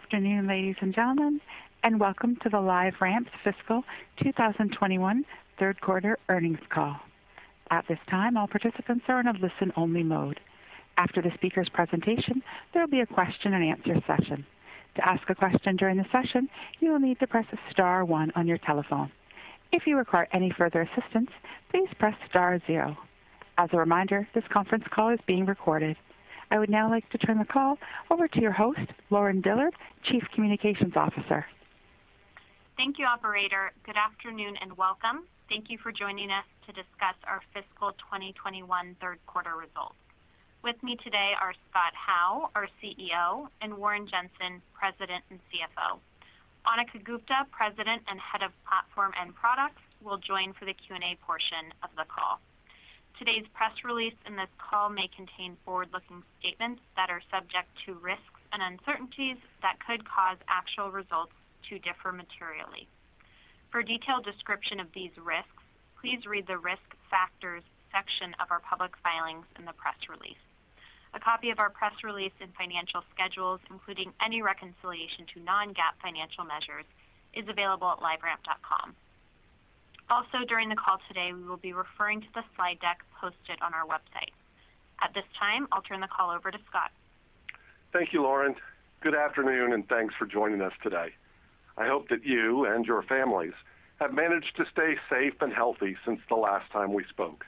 Good afternoon, ladies and gentlemen, and welcome to the LiveRamp Fiscal 2021 Third Quarter Earnings Call. I would now like to turn the call over to your host, Lauren Dillard, Chief Communications Officer. Thank you, operator. Good afternoon and welcome. Thank you for joining us to discuss our fiscal 2021 third quarter results. With me today are Scott Howe, our CEO, and Warren Jenson, President and CFO. Anneka Gupta, President and Head of Platform and Products, will join for the Q&A portion of the call. Today's press release and this call may contain forward-looking statements that are subject to risks and uncertainties that could cause actual results to differ materially. For a detailed description of these risks, please read the Risk Factors section of our public filings in the press release. A copy of our press release and financial schedules, including any reconciliation to non-GAAP financial measures, is available at liveramp.com. Also, during the call today, we will be referring to the slide deck posted on our website. At this time, I'll turn the call over to Scott. Thank you, Lauren. Good afternoon, thanks for joining us today. I hope that you and your families have managed to stay safe and healthy since the last time we spoke.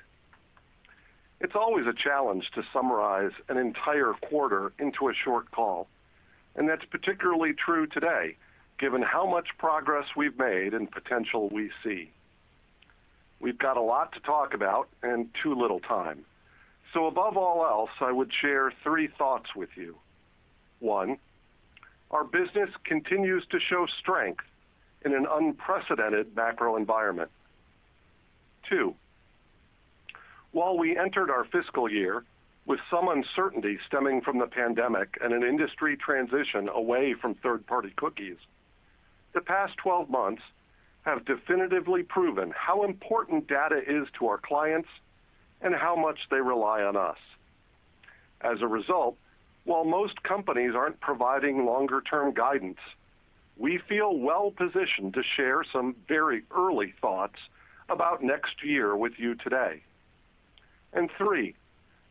It's always a challenge to summarize an entire quarter into a short call, and that's particularly true today, given how much progress we've made and potential we see. We've got a lot to talk about and too little time. Above all else, I would share three thoughts with you. One, our business continues to show strength in an unprecedented macro environment. Two, while we entered our fiscal year with some uncertainty stemming from the pandemic and an industry transition away from third-party cookies, the past 12 months have definitively proven how important data is to our clients and how much they rely on us. While most companies are not providing longer-term guidance, we feel well-positioned to share some very early thoughts about next year with you today. Three,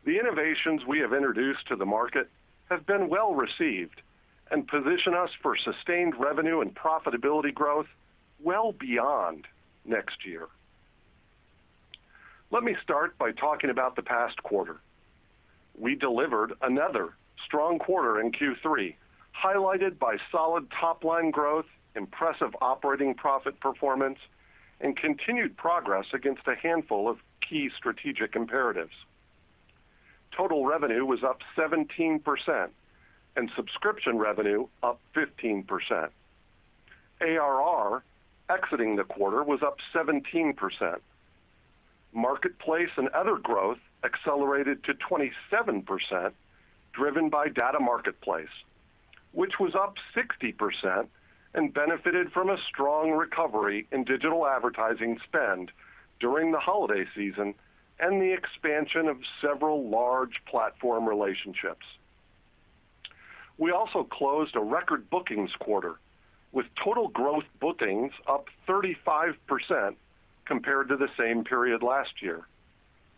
the innovations we have introduced to the market have been well received and position us for sustained revenue and profitability growth well beyond next year. Let me start by talking about the past quarter. We delivered another strong quarter in Q3, highlighted by solid top-line growth, impressive operating profit performance, and continued progress against a handful of key strategic imperatives. Total revenue was up 17%, and subscription revenue up 15%. ARR exiting the quarter was up 17%. Marketplace and other growth accelerated to 27%, driven by Data Marketplace, which was up 60% and benefited from a strong recovery in digital advertising spend during the holiday season and the expansion of several large platform relationships. We also closed a record bookings quarter, with total growth bookings up 35% compared to the same period last year.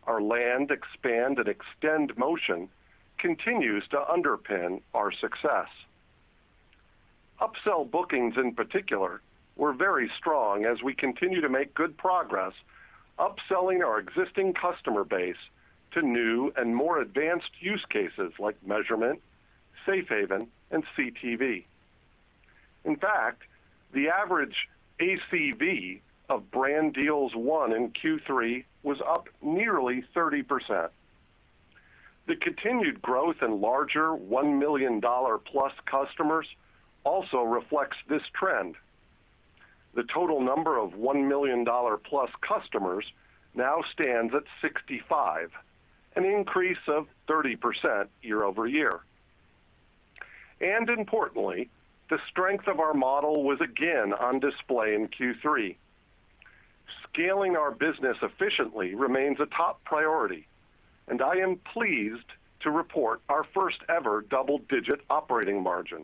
Our land, expand, and extend motion continues to underpin our success. Upsell bookings, in particular, were very strong as we continue to make good progress upselling our existing customer base to new and more advanced use cases like measurement, Safe Haven, and CTV. In fact, the average ACV of brand deals won in Q3 was up nearly 30%. The continued growth in larger $1 million+ customers also reflects this trend. The total number of $1 million+ customers now stands at 65, an increase of 30% year-over-year. Importantly, the strength of our model was again on display in Q3. Scaling our business efficiently remains a top priority, and I am pleased to report our first ever double-digit operating margin,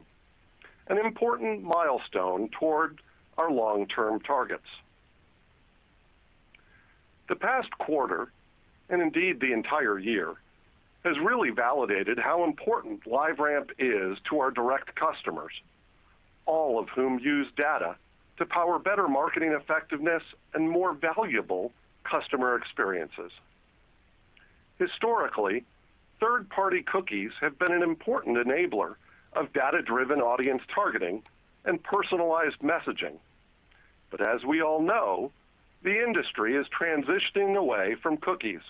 an important milestone toward our long-term targets. The past quarter, and indeed the entire year, has really validated how important LiveRamp is to our direct customers, all of whom use data to power better marketing effectiveness and more valuable customer experiences. Historically, third-party cookies have been an important enabler of data-driven audience targeting and personalized messaging. As we all know, the industry is transitioning away from cookies.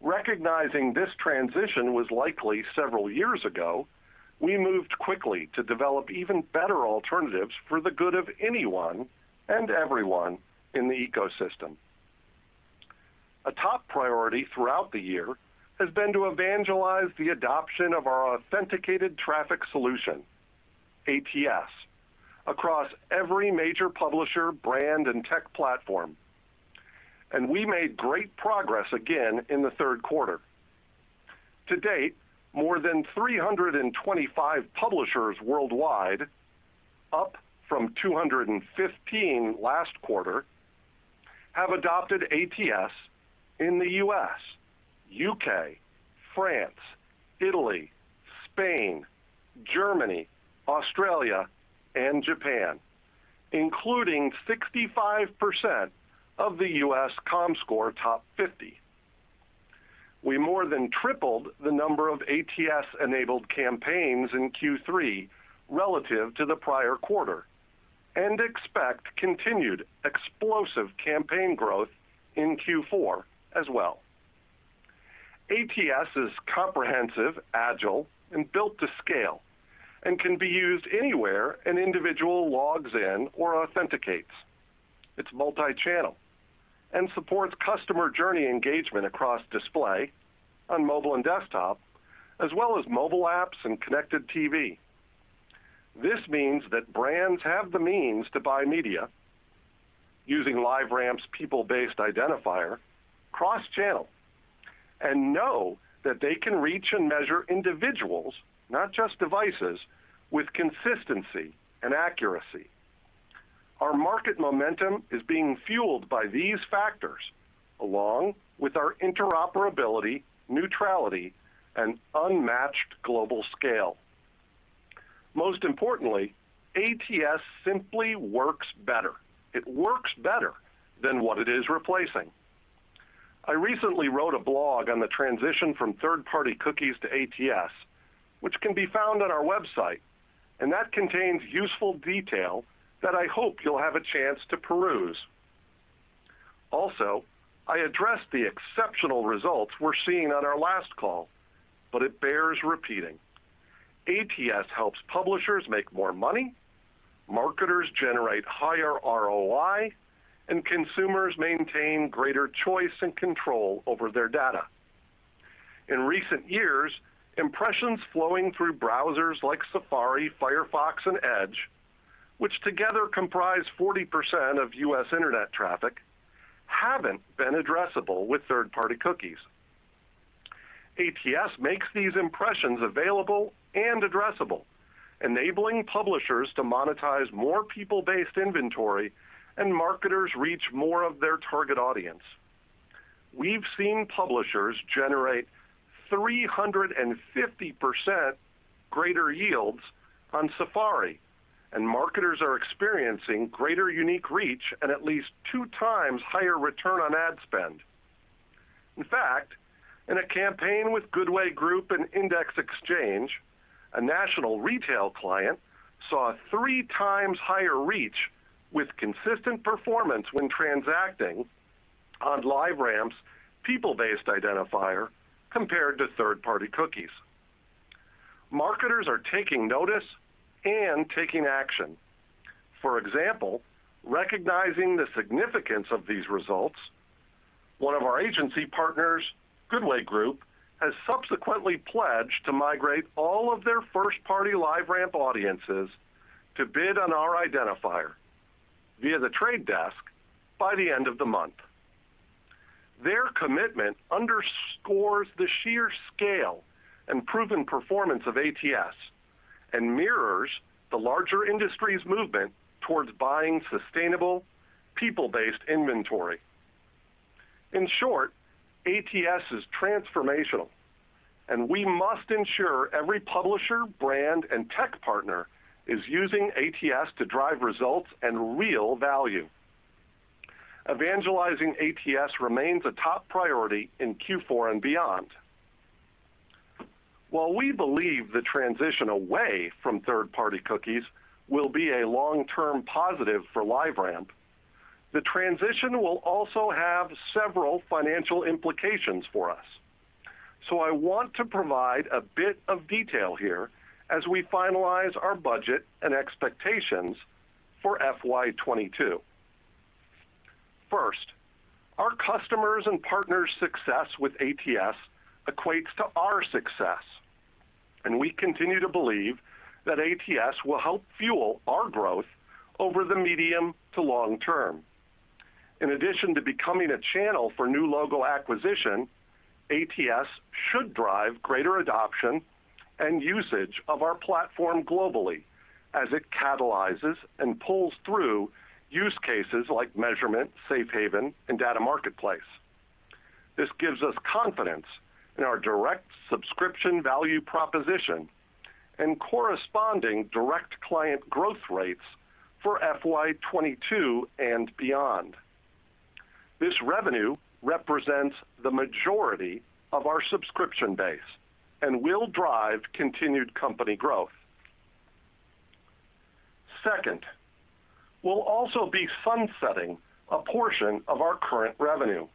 Recognizing this transition was likely several years ago, we moved quickly to develop even better alternatives for the good of anyone and everyone in the ecosystem. A top priority throughout the year has been to evangelize the adoption of our Authenticated Traffic Solution, ATS, across every major publisher, brand, and tech platform. We made great progress again in the third quarter. To date, more than 325 publishers worldwide, up from 215 last quarter, have adopted ATS in the U.S., U.K., France, Italy, Spain, Germany, Australia, and Japan, including 65% of the U.S. Comscore Top 50. We more than tripled the number of ATS-enabled campaigns in Q3 relative to the prior quarter, and expect continued explosive campaign growth in Q4 as well. ATS is comprehensive, agile, and built to scale and can be used anywhere an individual logs in or authenticates. It's multi-channel and supports customer journey engagement across display on mobile and desktop, as well as mobile apps and connected TV. This means that brands have the means to buy media using LiveRamp's people-based identifier cross-channel and know that they can reach and measure individuals, not just devices, with consistency and accuracy. Our market momentum is being fueled by these factors, along with our interoperability, neutrality, and unmatched global scale. Most importantly, ATS simply works better. It works better than what it is replacing. I recently wrote a blog on the transition from third-party cookies to ATS, which can be found on our website, and that contains useful detail that I hope you'll have a chance to peruse. Also, I addressed the exceptional results we're seeing on our last call, but it bears repeating. ATS helps publishers make more money, marketers generate higher ROI, and consumers maintain greater choice and control over their data. In recent years, impressions flowing through browsers like Safari, Firefox, and Edge, which together comprise 40% of U.S. internet traffic, haven't been addressable with third-party cookies. ATS makes these impressions available and addressable, enabling publishers to monetize more people-based inventory and marketers reach more of their target audience. We've seen publishers generate 350% greater yields on Safari, and marketers are experiencing greater unique reach and at least 2x higher return on ad spend. In fact, in a campaign with Goodway Group and Index Exchange, a national retail client saw 3x higher reach with consistent performance when transacting on LiveRamp's people-based identifier compared to third-party cookies. Marketers are taking notice and taking action. For example, recognizing the significance of these results, one of our agency partners, Goodway Group, has subsequently pledged to migrate all of their first-party LiveRamp audiences to bid on our identifier via The Trade Desk by the end of the month. Their commitment underscores the sheer scale and proven performance of ATS and mirrors the larger industry's movement towards buying sustainable people-based inventory. In short, ATS is transformational, and we must ensure every publisher, brand, and tech partner is using ATS to drive results and real value. Evangelizing ATS remains a top priority in Q4 and beyond. While we believe the transition away from third-party cookies will be a long-term positive for LiveRamp, the transition will also have several financial implications for us. I want to provide a bit of detail here as we finalize our budget and expectations for FY 2022. First, our customers' and partners' success with ATS equates to our success, and we continue to believe that ATS will help fuel our growth over the medium to long term. In addition to becoming a channel for new logo acquisition, ATS should drive greater adoption and usage of our platform globally as it catalyzes and pulls through use cases like measurement, Safe Haven, and Data Marketplace. This gives us confidence in our direct subscription value proposition and corresponding direct client growth rates for FY 2022 and beyond. This revenue represents the majority of our subscription base and will drive continued company growth. We'll also be sunsetting a portion of our current revenue.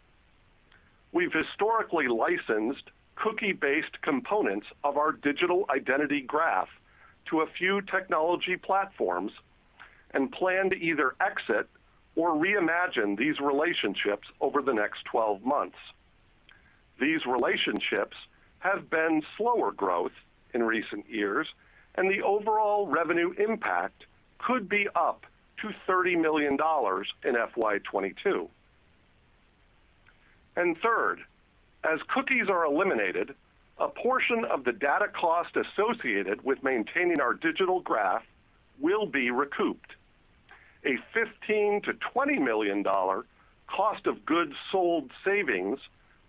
We've historically licensed cookie-based components of our digital identity graph to a few technology platforms and plan to either exit or reimagine these relationships over the next 12 months. These relationships have been slower growth in recent years, and the overall revenue impact could be up to $30 million in FY 2022. Third, as cookies are eliminated, a portion of the data cost associated with maintaining our digital graph will be recouped. A $15 million-$20 million cost of goods sold savings,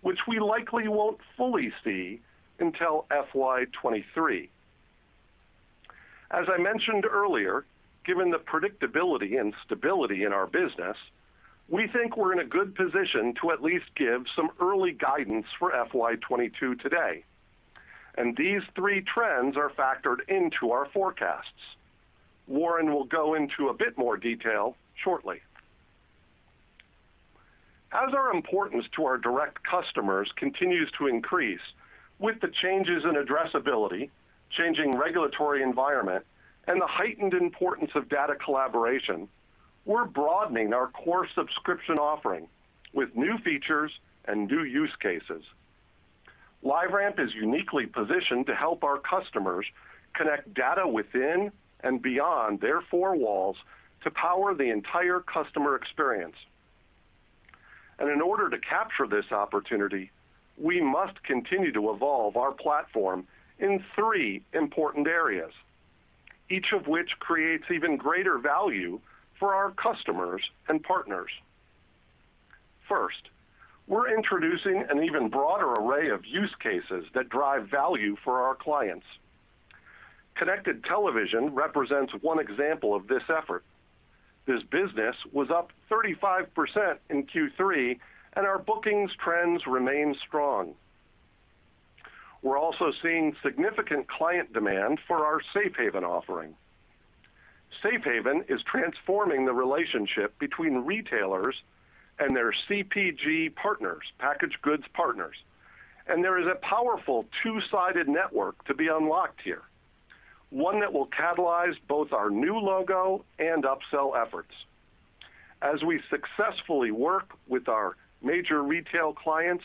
which we likely won't fully see until FY 2023. As I mentioned earlier, given the predictability and stability in our business, we think we're in a good position to at least give some early guidance for FY 2022 today. These three trends are factored into our forecasts. Warren will go into a bit more detail shortly. As our importance to our direct customers continues to increase with the changes in addressability, changing regulatory environment, and the heightened importance of data collaboration, we're broadening our core subscription offering with new features and new use cases. LiveRamp is uniquely positioned to help our customers connect data within and beyond their four walls to power the entire customer experience. In order to capture this opportunity, we must continue to evolve our platform in three important areas, each of which creates even greater value for our customers and partners. We're introducing an even broader array of use cases that drive value for our clients. Connected Television represents one example of this effort. This business was up 35% in Q3. Our bookings trends remain strong. We're also seeing significant client demand for our Safe Haven offering. Safe Haven is transforming the relationship between retailers and their CPG partners, packaged goods partners. There is a powerful two-sided network to be unlocked here, one that will catalyze both our new logo and upsell efforts. As we successfully work with our major retail clients,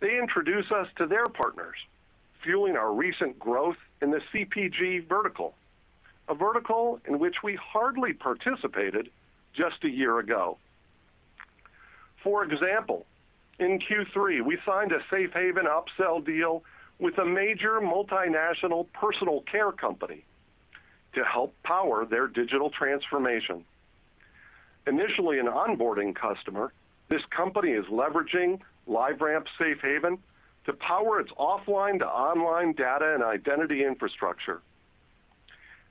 they introduce us to their partners, fueling our recent growth in the CPG vertical, a vertical in which we hardly participated just one year ago. For example, in Q3, we signed a Safe Haven upsell deal with a major multinational personal care company to help power their digital transformation. Initially an onboarding customer, this company is leveraging LiveRamp Safe Haven to power its offline to online data and identity infrastructure.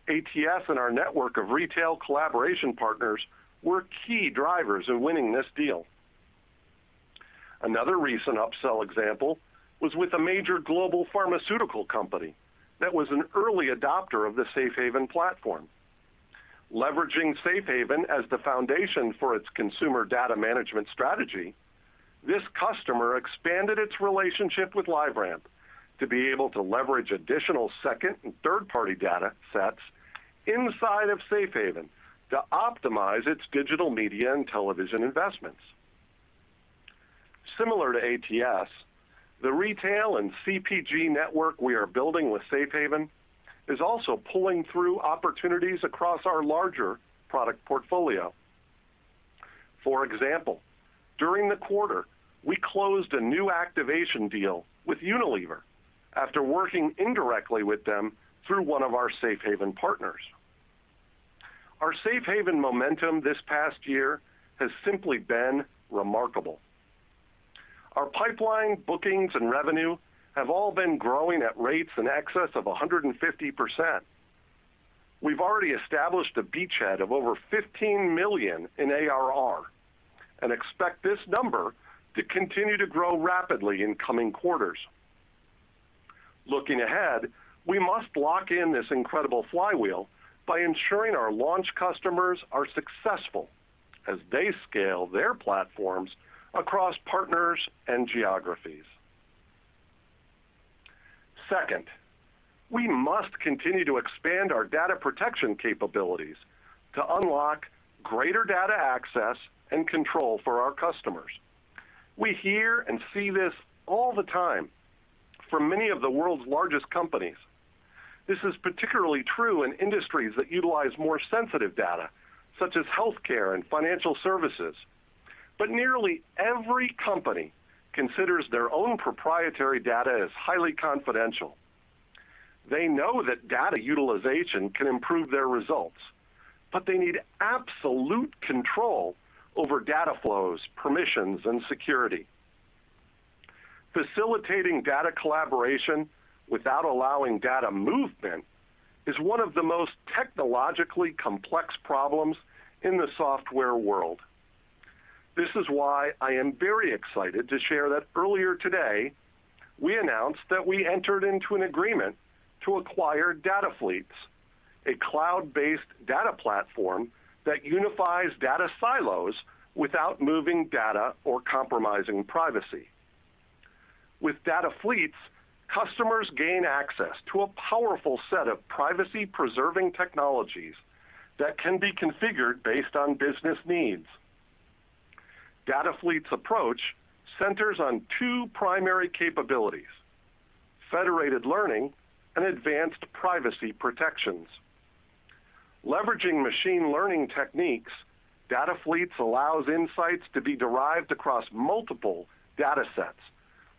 ATS and our network of retail collaboration partners were key drivers in winning this deal. Another recent upsell example was with a major global pharmaceutical company that was an early adopter of the Safe Haven platform. Leveraging Safe Haven as the foundation for its consumer data management strategy, this customer expanded its relationship with LiveRamp to be able to leverage additional second and third-party data sets inside of Safe Haven to optimize its digital media and television investments. Similar to ATS, the retail and CPG network we are building with Safe Haven is also pulling through opportunities across our larger product portfolio. For example, during the quarter, we closed a new activation deal with Unilever after working indirectly with them through one of our Safe Haven partners. Our Safe Haven momentum this past year has simply been remarkable. Our pipeline bookings and revenue have all been growing at rates in excess of 150%. We've already established a beachhead of over $15 million in ARR and expect this number to continue to grow rapidly in coming quarters. Looking ahead, we must lock in this incredible flywheel by ensuring our launch customers are successful as they scale their platforms across partners and geographies. Second, we must continue to expand our data protection capabilities to unlock greater data access and control for our customers. We hear and see this all the time from many of the world's largest companies. This is particularly true in industries that utilize more sensitive data, such as healthcare and financial services. Nearly every company considers their own proprietary data as highly confidential. They know that data utilization can improve their results, but they need absolute control over data flows, permissions, and security. Facilitating data collaboration without allowing data movement is one of the most technologically complex problems in the software world. This is why I am very excited to share that earlier today, we announced that we entered into an agreement to acquire DataFleets, a cloud-based data platform that unifies data silos without moving data or compromising privacy. With DataFleets, customers gain access to a powerful set of privacy-preserving technologies that can be configured based on business needs. DataFleets' approach centers on two primary capabilities, federated learning and advanced privacy protections. Leveraging machine learning techniques, DataFleets allows insights to be derived across multiple data sets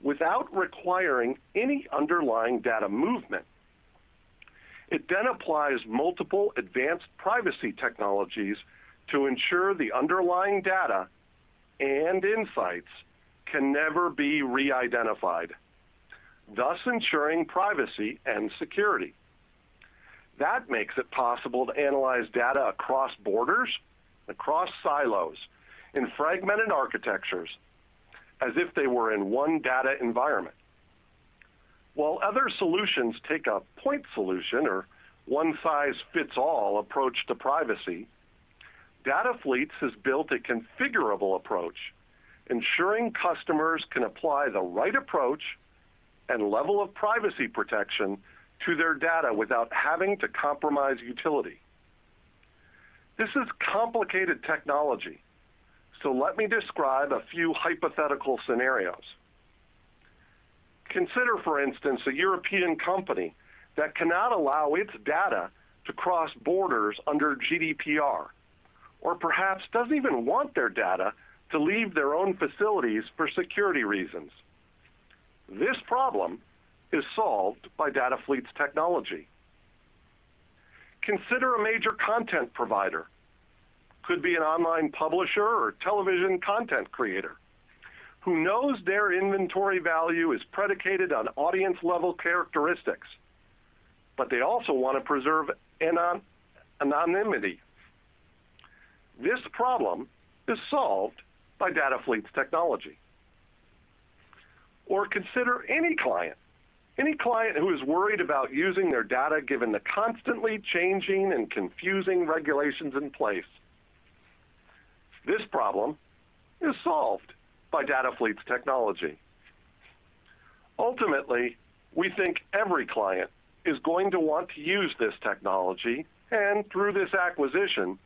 without requiring any underlying data movement. It applies multiple advanced privacy technologies to ensure the underlying data and insights can never be re-identified, thus ensuring privacy and security. That makes it possible to analyze data across borders, across silos, in fragmented architectures, as if they were in one data environment. While other solutions take a point solution or one size fits all approach to privacy, DataFleets has built a configurable approach, ensuring customers can apply the right approach and level of privacy protection to their data without having to compromise utility. This is complicated technology. Let me describe a few hypothetical scenarios. Consider, for instance, a European company that cannot allow its data to cross borders under GDPR, or perhaps doesn't even want their data to leave their own facilities for security reasons. This problem is solved by DataFleets technology. Consider a major content provider. Could be an online publisher or television content creator, who knows their inventory value is predicated on audience-level characteristics, but they also want to preserve anonymity. This problem is solved by DataFleets technology. Consider any client, any client who is worried about using their data given the constantly changing and confusing regulations in place. This problem is solved by DataFleets technology. Ultimately, we think every client is going to want to use this technology, and through this acquisition,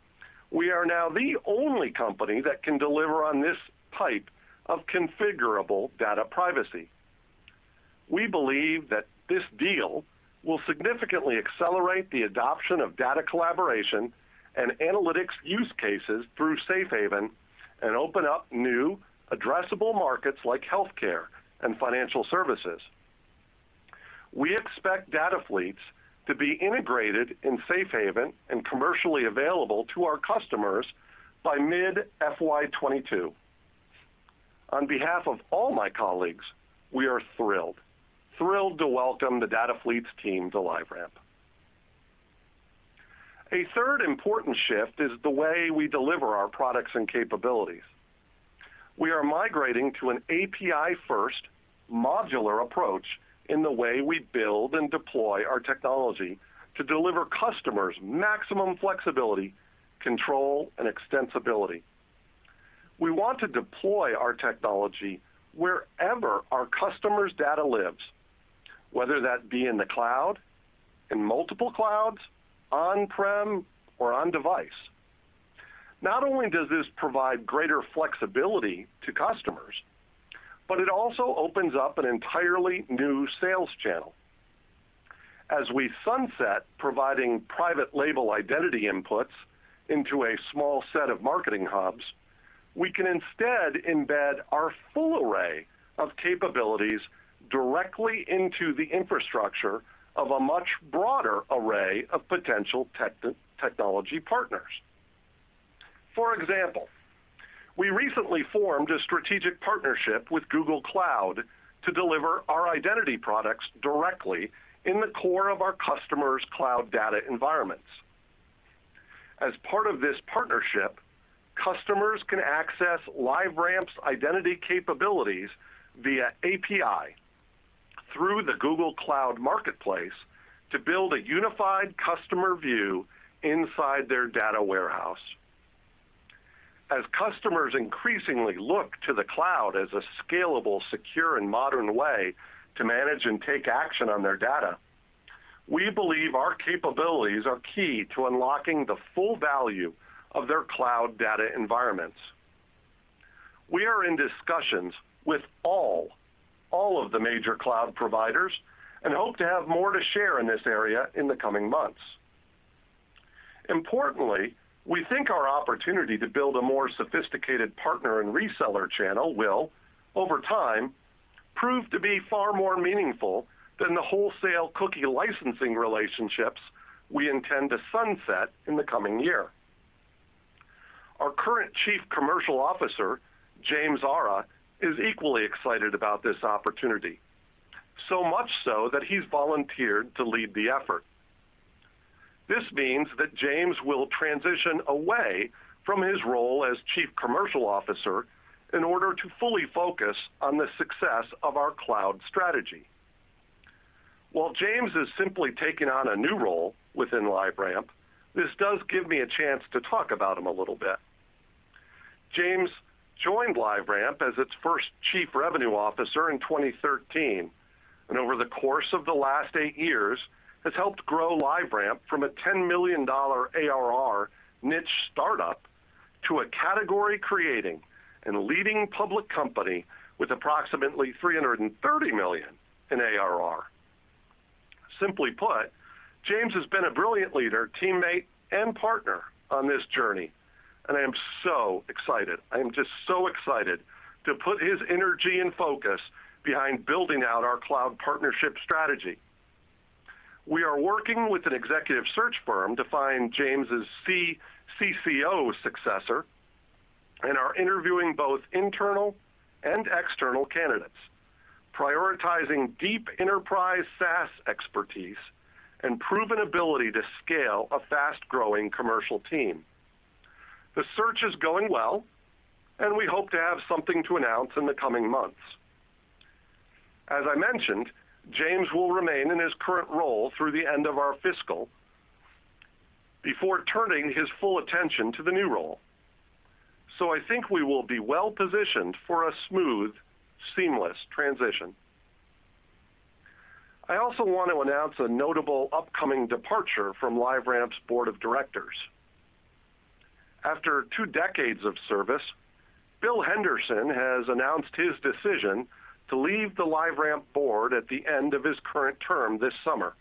we are now the only company that can deliver on this type of configurable data privacy. We believe that this deal will significantly accelerate the adoption of data collaboration and analytics use cases through Safe Haven and open up new addressable markets like healthcare and financial services. We expect DataFleets to be integrated in Safe Haven and commercially available to our customers by mid-FY 2022. On behalf of all my colleagues, we are thrilled. Thrilled to welcome the DataFleets team to LiveRamp. A third important shift is the way we deliver our products and capabilities. We are migrating to an API first modular approach in the way we build and deploy our technology to deliver customers maximum flexibility, control, and extensibility. We want to deploy our technology wherever our customer's data lives, whether that be in the cloud, in multiple clouds, on-prem, or on device. Not only does this provide greater flexibility to customers, but it also opens up an entirely new sales channel. As we sunset providing private label identity inputs into a small set of marketing hubs, we can instead embed our full array of capabilities directly into the infrastructure of a much broader array of potential technology partners. For example, we recently formed a strategic partnership with Google Cloud to deliver our identity products directly in the core of our customers' cloud data environments. As part of this partnership, customers can access LiveRamp's identity capabilities via API through the Google Cloud Marketplace to build a unified customer view inside their data warehouse. As customers increasingly look to the cloud as a scalable, secure, and modern way to manage and take action on their data, we believe our capabilities are key to unlocking the full value of their cloud data environments. We are in discussions with all of the major cloud providers and hope to have more to share in this area in the coming months. Importantly, we think our opportunity to build a more sophisticated partner and reseller channel will, over time, prove to be far more meaningful than the wholesale cookie licensing relationships we intend to sunset in the coming year. Our current Chief Commercial Officer, James Arra, is equally excited about this opportunity. So much so that he's volunteered to lead the effort. This means that James will transition away from his role as Chief Commercial Officer in order to fully focus on the success of our cloud strategy. James is simply taking on a new role within LiveRamp, this does give me a chance to talk about him a little bit. James joined LiveRamp as its first Chief Revenue Officer in 2013, and over the course of the last eight years has helped grow LiveRamp from a $10 million ARR niche startup to a category-creating and leading public company with approximately $330 million in ARR. Simply put, James has been a brilliant leader, teammate, and partner on this journey, and I am so excited. I am just so excited to put his energy and focus behind building out our cloud partnership strategy. We are working with an executive search firm to find James' CCO successor and are interviewing both internal and external candidates, prioritizing deep enterprise SaaS expertise and proven ability to scale a fast-growing commercial team. The search is going well. We hope to have something to announce in the coming months. As I mentioned, James will remain in his current role through the end of our fiscal before turning his full attention to the new role. I think we will be well-positioned for a smooth, seamless transition. I also want to announce a notable upcoming departure from LiveRamp's Board of Directors. After two decades of service, Bill Henderson has announced his decision to leave the LiveRamp Board at the end of his current term this summer.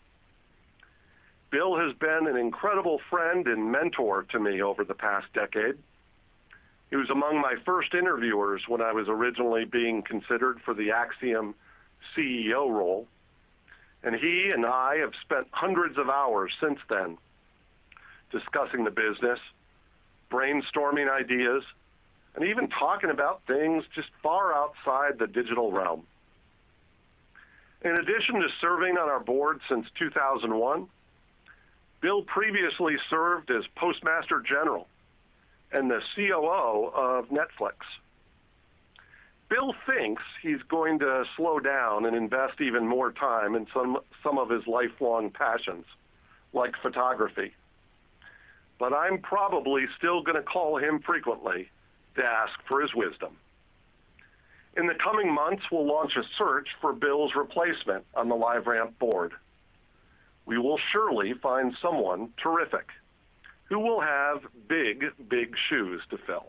Bill has been an incredible friend and mentor to me over the past decade. He was among my first interviewers when I was originally being considered for the Acxiom CEO role, and he and I have spent hundreds of hours since then discussing the business, brainstorming ideas, and even talking about things just far outside the digital realm. In addition to serving on our Board since 2001, Bill previously served as Postmaster General and the COO of Netflix. Bill thinks he's going to slow down and invest even more time in some of his lifelong passions, like photography. I'm probably still going to call him frequently to ask for his wisdom. In the coming months, we'll launch a search for Bill's replacement on the LiveRamp Board. We will surely find someone terrific who will have big, big shoes to fill.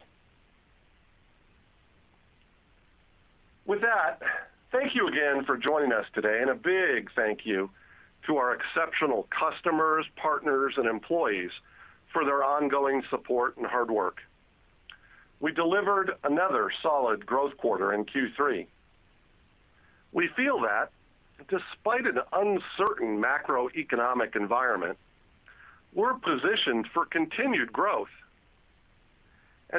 With that, thank you again for joining us today, and a big thank you to our exceptional customers, partners, and employees for their ongoing support and hard work. We delivered another solid growth quarter in Q3.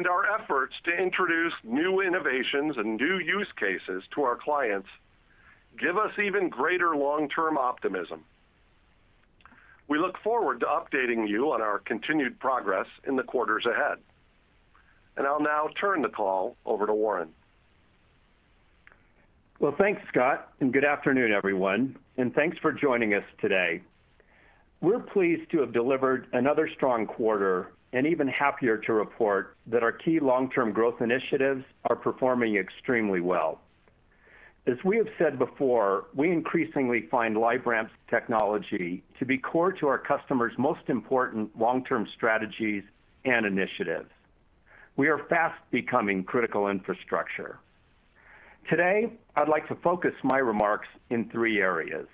Our efforts to introduce new innovations and new use cases to our clients give us even greater long-term optimism. We look forward to updating you on our continued progress in the quarters ahead. I'll now turn the call over to Warren. Well, thanks, Scott, good afternoon, everyone, and thanks for joining us today. We're pleased to have delivered another strong quarter and even happier to report that our key long-term growth initiatives are performing extremely well. As we have said before, we increasingly find LiveRamp's technology to be core to our customers' most important long-term strategies and initiatives. We are fast becoming critical infrastructure. Today, I'd like to focus my remarks in three areas.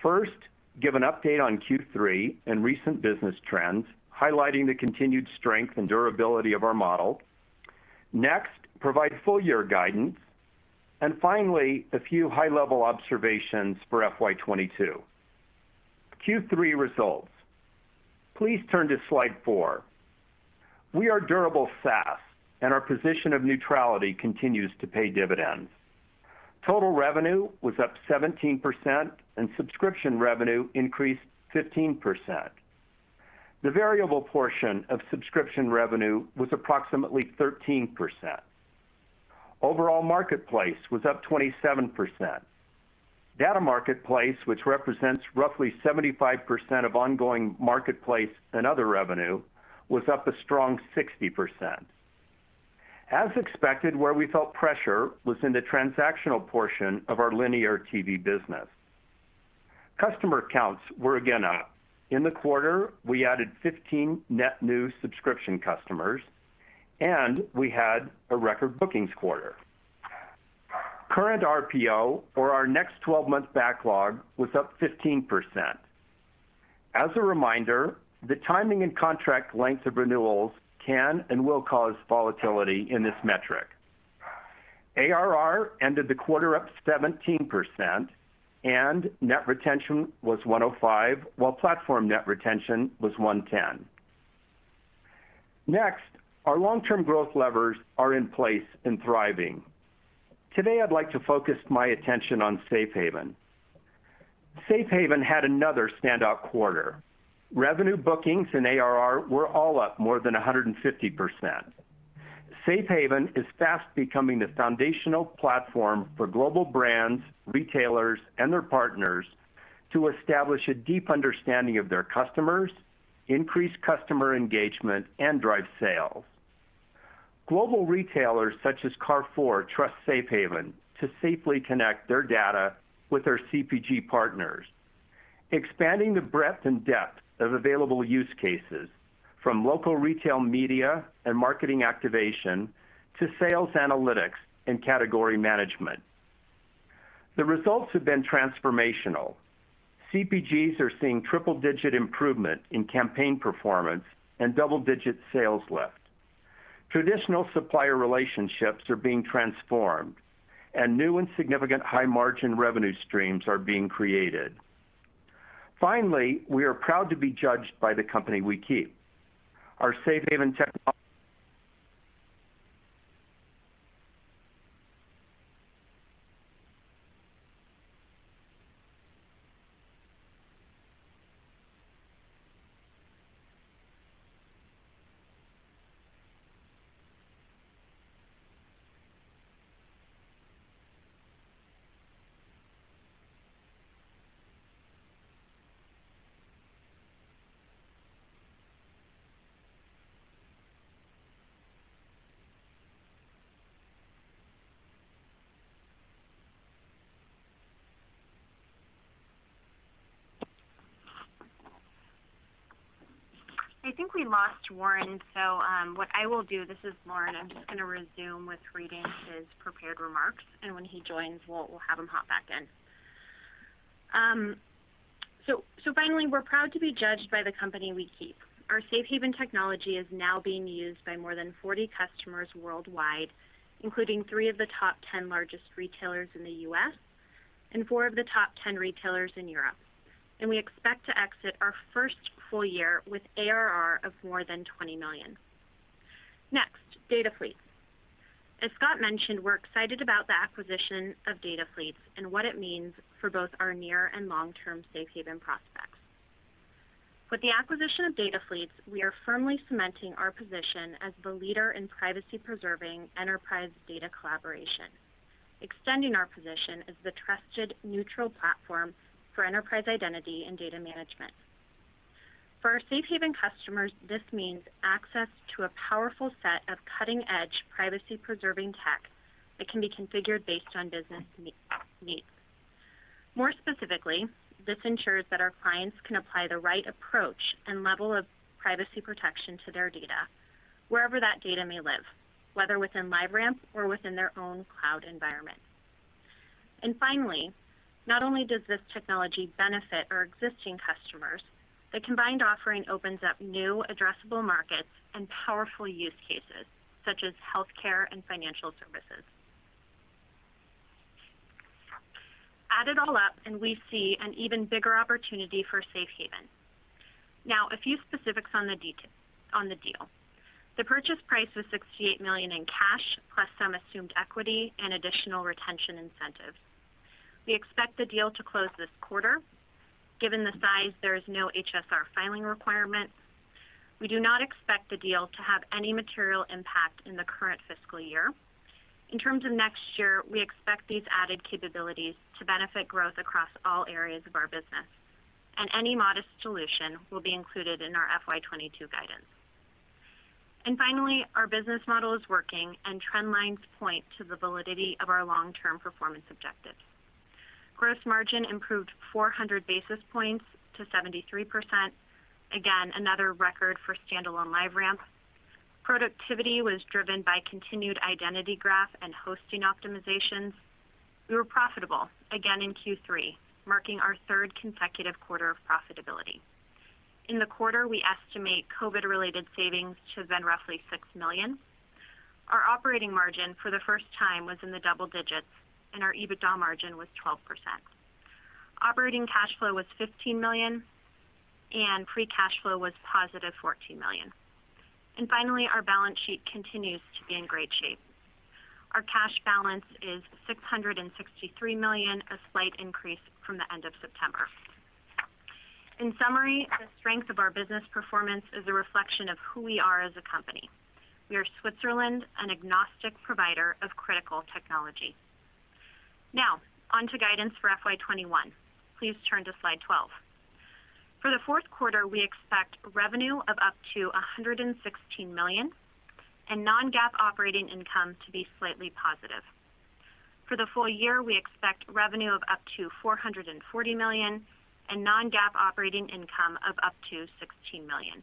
First, give an update on Q3 and recent business trends, highlighting the continued strength and durability of our model. Next, provide full-year guidance. Finally, a few high-level observations for FY2022. Q3 results. Please turn to slide four. We are durable SaaS, and our position of neutrality continues to pay dividends. Total revenue was up 17%, and subscription revenue increased 15%. The variable portion of subscription revenue was approximately 13%. Overall Marketplace was up 27%. Data Marketplace, which represents roughly 75% of ongoing Marketplace and other revenue, was up a strong 60%. As expected, where we felt pressure was in the transactional portion of our linear TV business. Customer counts were again up. In the quarter, we added 15 net new subscription customers, and we had a record bookings quarter. Current RPO for our next 12-month backlog was up 15%. As a reminder, the timing and contract length of renewals can and will cause volatility in this metric. ARR ended the quarter up 17%, and net retention was 105%, while platform net retention was 110%. Our long-term growth levers are in place and thriving. Today, I'd like to focus my attention on Safe Haven. Safe Haven had another standout quarter. Revenue bookings and ARR were all up more than 150%. Safe Haven is fast becoming the foundational platform for global brands, retailers, and their partners to establish a deep understanding of their customers, increase customer engagement, and drive sales. Global retailers such as Carrefour trust Safe Haven to safely connect their data with their CPG partners, expanding the breadth and depth of available use cases from local retail media and marketing activation to sales analytics and category management. The results have been transformational. CPGs are seeing triple-digit improvement in campaign performance and double-digit sales lift. Traditional supplier relationships are being transformed, new and significant high-margin revenue streams are being created. Finally, we are proud to be judged by the company we keep. Our Safe Haven techno- I think we lost Warren. What I will do, this is Lauren, I'm just going to resume with reading his prepared remarks, and when he joins, we'll have him hop back in. Finally, we're proud to be judged by the company we keep. Our Safe Haven technology is now being used by more than 40 customers worldwide, including three of the top 10 largest retailers in the U.S. and four of the top 10 retailers in Europe. We expect to exit our first full year with ARR of more than $20 million. Next, DataFleets. As Scott mentioned, we're excited about the acquisition of DataFleets and what it means for both our near and long-term Safe Haven prospects. With the acquisition of DataFleets, we are firmly cementing our position as the leader in privacy-preserving enterprise data collaboration, extending our position as the trusted neutral platform for enterprise identity and data management. For our Safe Haven customers, this means access to a powerful set of cutting-edge privacy-preserving tech that can be configured based on business needs. More specifically, this ensures that our clients can apply the right approach and level of privacy protection to their data wherever that data may live, whether within LiveRamp or within their own cloud environment. Finally, not only does this technology benefit our existing customers, the combined offering opens up new addressable markets and powerful use cases such as healthcare and financial services. Add it all up, and we see an even bigger opportunity for Safe Haven. Now, a few specifics on the deal. The purchase price was $68 million in cash, plus some assumed equity and additional retention incentives. We expect the deal to close this quarter. Given the size, there is no HSR filing requirement. We do not expect the deal to have any material impact in the current fiscal year. In terms of next year, we expect these added capabilities to benefit growth across all areas of our business, and any modest dilution will be included in our FY 2022 guidance. Finally, our business model is working, and trend lines point to the validity of our long-term performance objectives. Gross margin improved 400 basis points to 73%. Again, another record for standalone LiveRamp. Productivity was driven by continued identity graph and hosting optimizations. We were profitable again in Q3, marking our third consecutive quarter of profitability. In the quarter, we estimate COVID-related savings to have been roughly $6 million. Our operating margin for the first time was in the double digits, and our EBITDA margin was 12%. Operating cash flow was $15 million, and free cash flow was +$14 million. Finally, our balance sheet continues to be in great shape. Our cash balance is $663 million, a slight increase from the end of September. In summary, the strength of our business performance is a reflection of who we are as a company. We are Switzerland, an agnostic provider of critical technology. Now, on to guidance for FY 2021. Please turn to slide 12. For the fourth quarter, we expect revenue of up to $116 million and non-GAAP operating income to be slightly positive. For the full year, we expect revenue of up to $440 million and non-GAAP operating income of up to $16 million.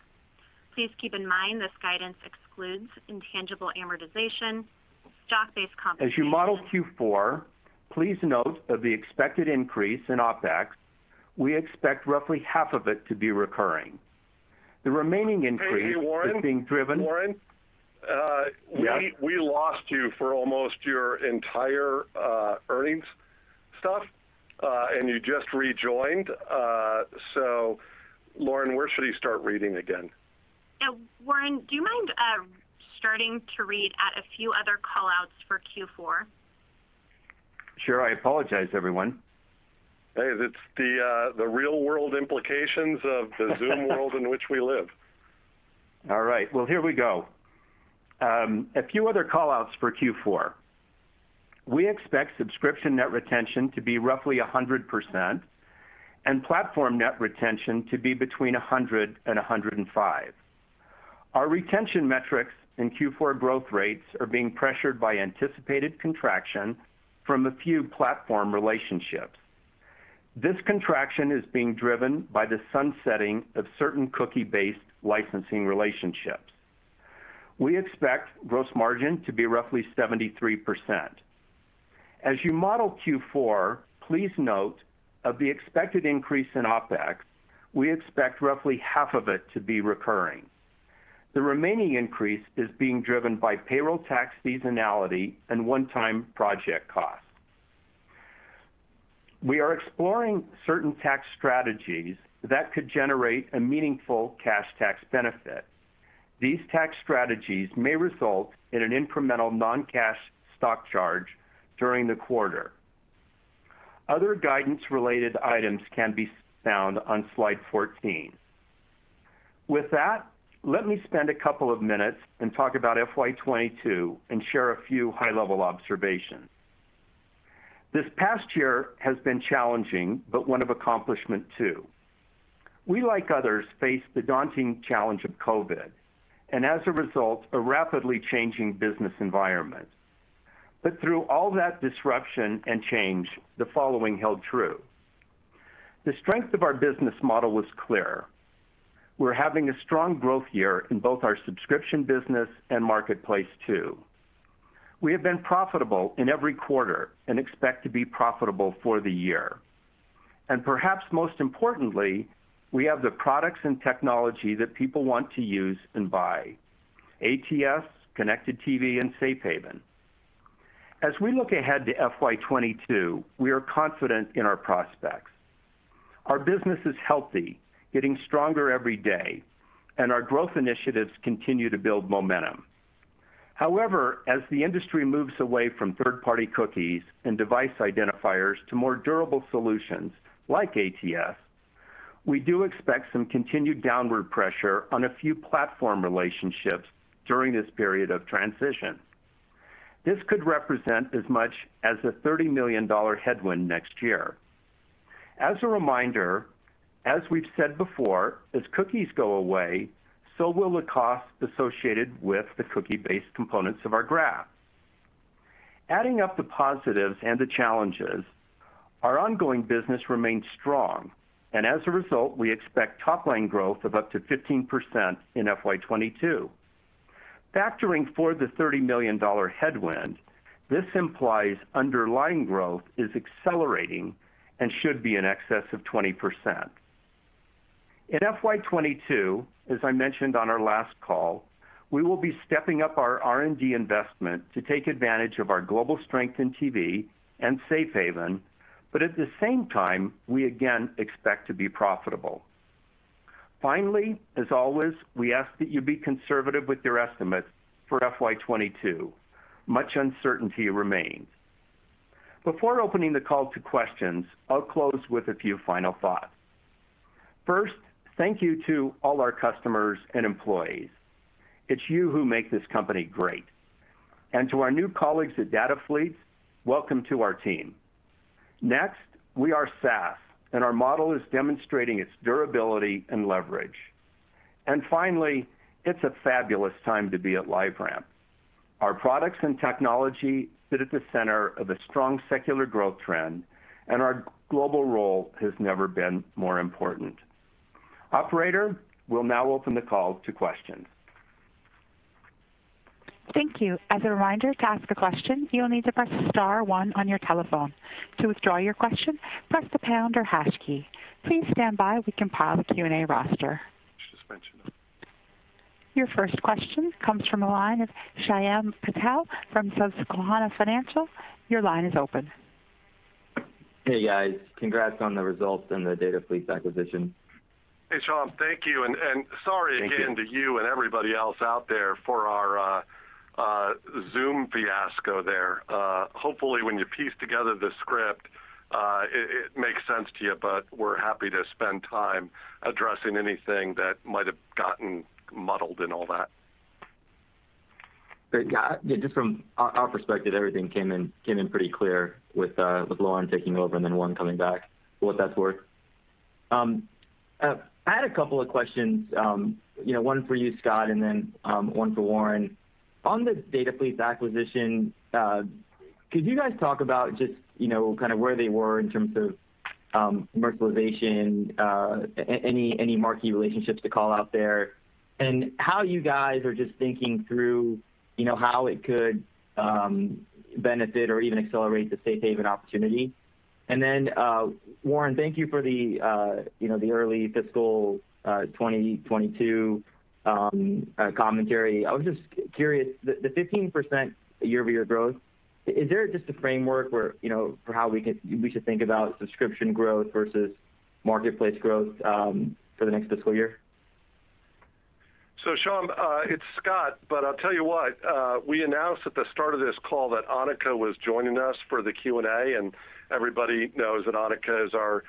Please keep in mind this guidance excludes intangible amortization, stock-based compensation. As you model Q4, please note that the expected increase in OpEx, we expect roughly half of it to be recurring. The remaining increase is being driven. Hey, Warren? Yeah. Warren, we lost you for almost your entire earnings stuff, and you just rejoined. Lauren, where should he start reading again? Yeah. Warren, do you mind starting to read at a few other callouts for Q4? Sure. I apologize, everyone. Hey, it's the real-world implications of the Zoom world in which we live. All right. Well, here we go. A few other call-outs for Q4. We expect subscription net retention to be roughly 100%, and platform net retention to be between 100% and 105%. Our retention metrics in Q4 growth rates are being pressured by anticipated contraction from a few platform relationships. This contraction is being driven by the sunsetting of certain cookie-based licensing relationships. We expect gross margin to be roughly 73%. As you model Q4, please note, of the expected increase in OpEx, we expect roughly half of it to be recurring. The remaining increase is being driven by payroll tax seasonality and one-time project costs. We are exploring certain tax strategies that could generate a meaningful cash tax benefit. These tax strategies may result in an incremental non-cash stock charge during the quarter. Other guidance-related items can be found on slide 14. With that, let me spend a couple of minutes and talk about FY 2022 and share a few high-level observations. This past year has been challenging, but one of accomplishment too. We, like others, faced the daunting challenge of COVID, and as a result, a rapidly changing business environment. Through all that disruption and change, the following held true. The strength of our business model was clear. We're having a strong growth year in both our subscription business and Marketplace too. We have been profitable in every quarter and expect to be profitable for the year. Perhaps most importantly, we have the products and technology that people want to use and buy. ATS, Connected TV, and Safe Haven. As we look ahead to FY 2022, we are confident in our prospects. Our business is healthy, getting stronger every day, and our growth initiatives continue to build momentum. As the industry moves away from third-party cookies and device identifiers to more durable solutions like ATS, we do expect some continued downward pressure on a few platform relationships during this period of transition. This could represent as much as a $30 million headwind next year. As a reminder, as we've said before, as cookies go away, so will the cost associated with the cookie-based components of our graph. Adding up the positives and the challenges, our ongoing business remains strong, and as a result, we expect top-line growth of up to 15% in FY2022. Factoring for the $30 million headwind, this implies underlying growth is accelerating and should be in excess of 20%. In FY2022, as I mentioned on our last call, we will be stepping up our R&D investment to take advantage of our global strength in TV and Safe Haven. At the same time, we again expect to be profitable. As always, we ask that you be conservative with your estimates for FY2022. Much uncertainty remains. Before opening the call to questions, I'll close with a few final thoughts. Thank you to all our customers and employees. It's you who make this company great. To our new colleagues at DataFleets, welcome to our team. We are SaaS. Our model is demonstrating its durability and leverage. Finally, it's a fabulous time to be at LiveRamp. Our products and technology sit at the center of a strong secular growth trend. Our global role has never been more important. Operator, we'll now open the call to questions. Thank you. As a reminder, to ask a question, you'll need to press star one on your telephone. To withdraw your question, press the pound or hash key. Please stand by while we compile the Q&A roster. Your first question comes from the line of Shyam Patil from Susquehanna Financial. Your line is open. Hey, guys. Congrats on the results and the DataFleets acquisition. Hey, Shyam. Thank you. Sorry again. Thank you. to you and everybody else out there for our Zoom fiasco there. Hopefully when you piece together the script, it makes sense to you, but we're happy to spend time addressing anything that might have gotten muddled in all that. Great. Yeah, just from our perspective, everything came in pretty clear with Lauren taking over and then Warren coming back, for what that's worth. I had a couple of questions, one for you, Scott, and then one for Warren. On the DataFleets acquisition, could you guys talk about just kind of where they were in terms of commercialization, any marquee relationships to call out there, and how you guys are just thinking through how it could benefit or even accelerate the Safe Haven opportunity? Warren, thank you for the early fiscal 2022 commentary. I was just curious, the 15% year-over-year growth, is there just a framework for how we should think about subscription growth versus Marketplace growth for the next fiscal year? Shyam, it's Scott, but I'll tell you what, we announced at the start of this call that Anneka was joining us for the Q&A, and everybody knows that Anneka is our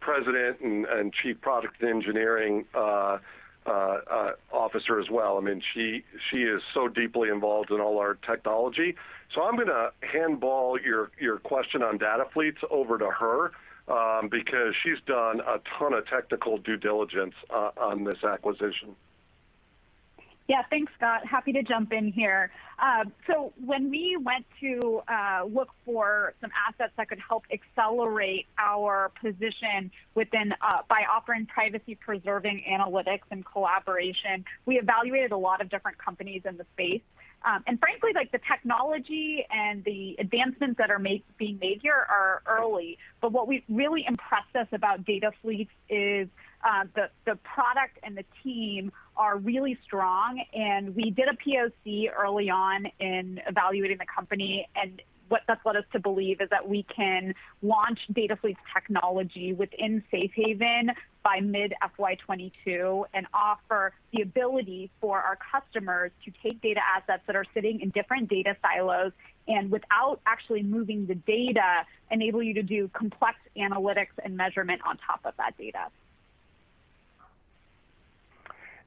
President and Chief Product Engineering Officer as well. She is so deeply involved in all our technology. I'm going to handball your question on DataFleets over to her, because she's done a ton of technical due diligence on this acquisition. Yeah. Thanks, Scott. Happy to jump in here. When we went to look for some assets that could help accelerate our position by offering privacy-preserving analytics and collaboration, we evaluated a lot of different companies in the space. Frankly, the technology and the advancements that are being made here are early. What really impressed us about DataFleets is the product and the team are really strong. We did a POC early on in evaluating the company, and what that's led us to believe is that we can launch DataFleets technology within Safe Haven by mid FY 2022 and offer the ability for our customers to take data assets that are sitting in different data silos, and without actually moving the data, enable you to do complex analytics and measurement on top of that data.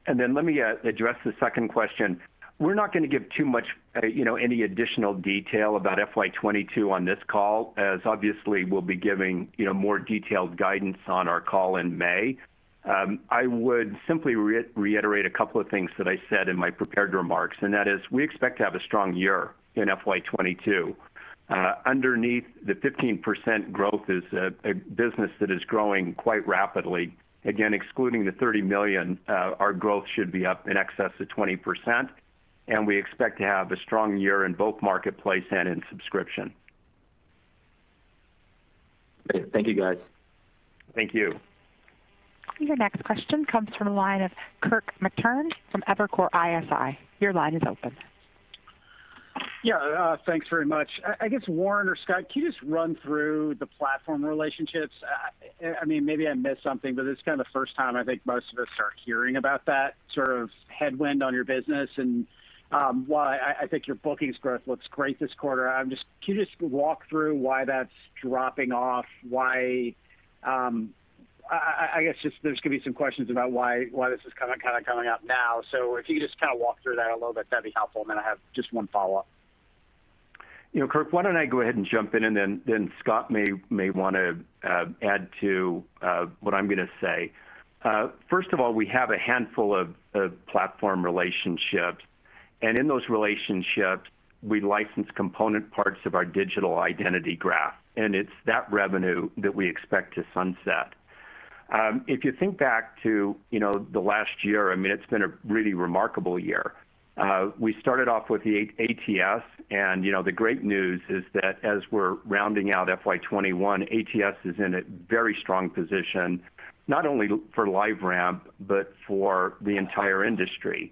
Let me address the second question. We're not going to give too much any additional detail about FY2022 on this call, as obviously we'll be giving more detailed guidance on our call in May. I would simply reiterate a couple of things that I said in my prepared remarks, and that is, we expect to have a strong year in FY2022. Underneath the 15% growth is a business that is growing quite rapidly. Again, excluding the $30 million, our growth should be up in excess of 20%, and we expect to have a strong year in both Marketplace and in subscription. Great. Thank you, guys. Thank you. Your next question comes from the line of Kirk Materne from Evercore ISI. Your line is open. Yeah. Thanks very much. I guess, Warren or Scott, can you just run through the platform relationships? Maybe I missed something, but it's kind of the first time I think most of us are hearing about that sort of headwind on your business, and why I think your bookings growth looks great this quarter. Can you just walk through why that's dropping off? I guess just there's going to be some questions about why this is coming up now. If you could just kind of walk through that a little bit, that'd be helpful, and then I have just one follow-up. Kirk, why don't I go ahead and jump in, and then Scott may want to add to what I'm going to say. First of all, we have a handful of platform relationships, and in those relationships, we license component parts of our digital identity graph, and it's that revenue that we expect to sunset. If you think back to the last year, it's been a really remarkable year. We started off with the ATS, and the great news is that as we're rounding out FY 2021, ATS is in a very strong position, not only for LiveRamp, but for the entire industry.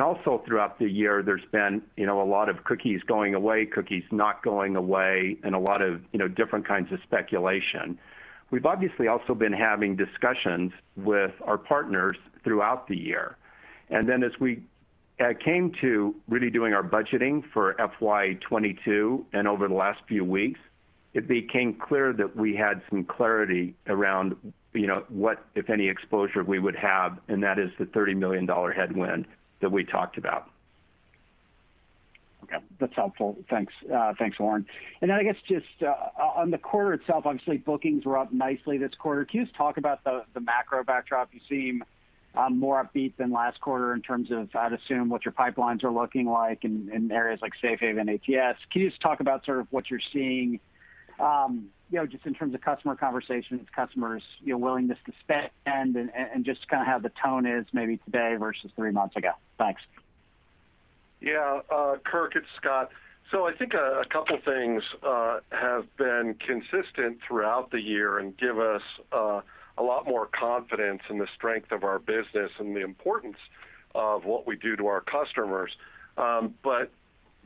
Also throughout the year, there's been a lot of cookies going away, cookies not going away, and a lot of different kinds of speculation. We've obviously also been having discussions with our partners throughout the year. As we came to really doing our budgeting for FY 2022 and over the last few weeks, it became clear that we had some clarity around what, if any, exposure we would have, and that is the $30 million headwind that we talked about. Okay. That's helpful. Thanks, Warren. Then I guess just on the quarter itself, obviously, bookings were up nicely this quarter. Can you just talk about the macro backdrop? You seem more upbeat than last quarter in terms of, I'd assume, what your pipelines are looking like in areas like Safe Haven, ATS. Can you just talk about sort of what you're seeing just in terms of customer conversations, customers' willingness to spend, and just kind of how the tone is maybe today versus three months ago? Thanks. Yeah. Kirk, it's Scott. I think a couple things have been consistent throughout the year and give us a lot more confidence in the strength of our business and the importance of what we do to our customers.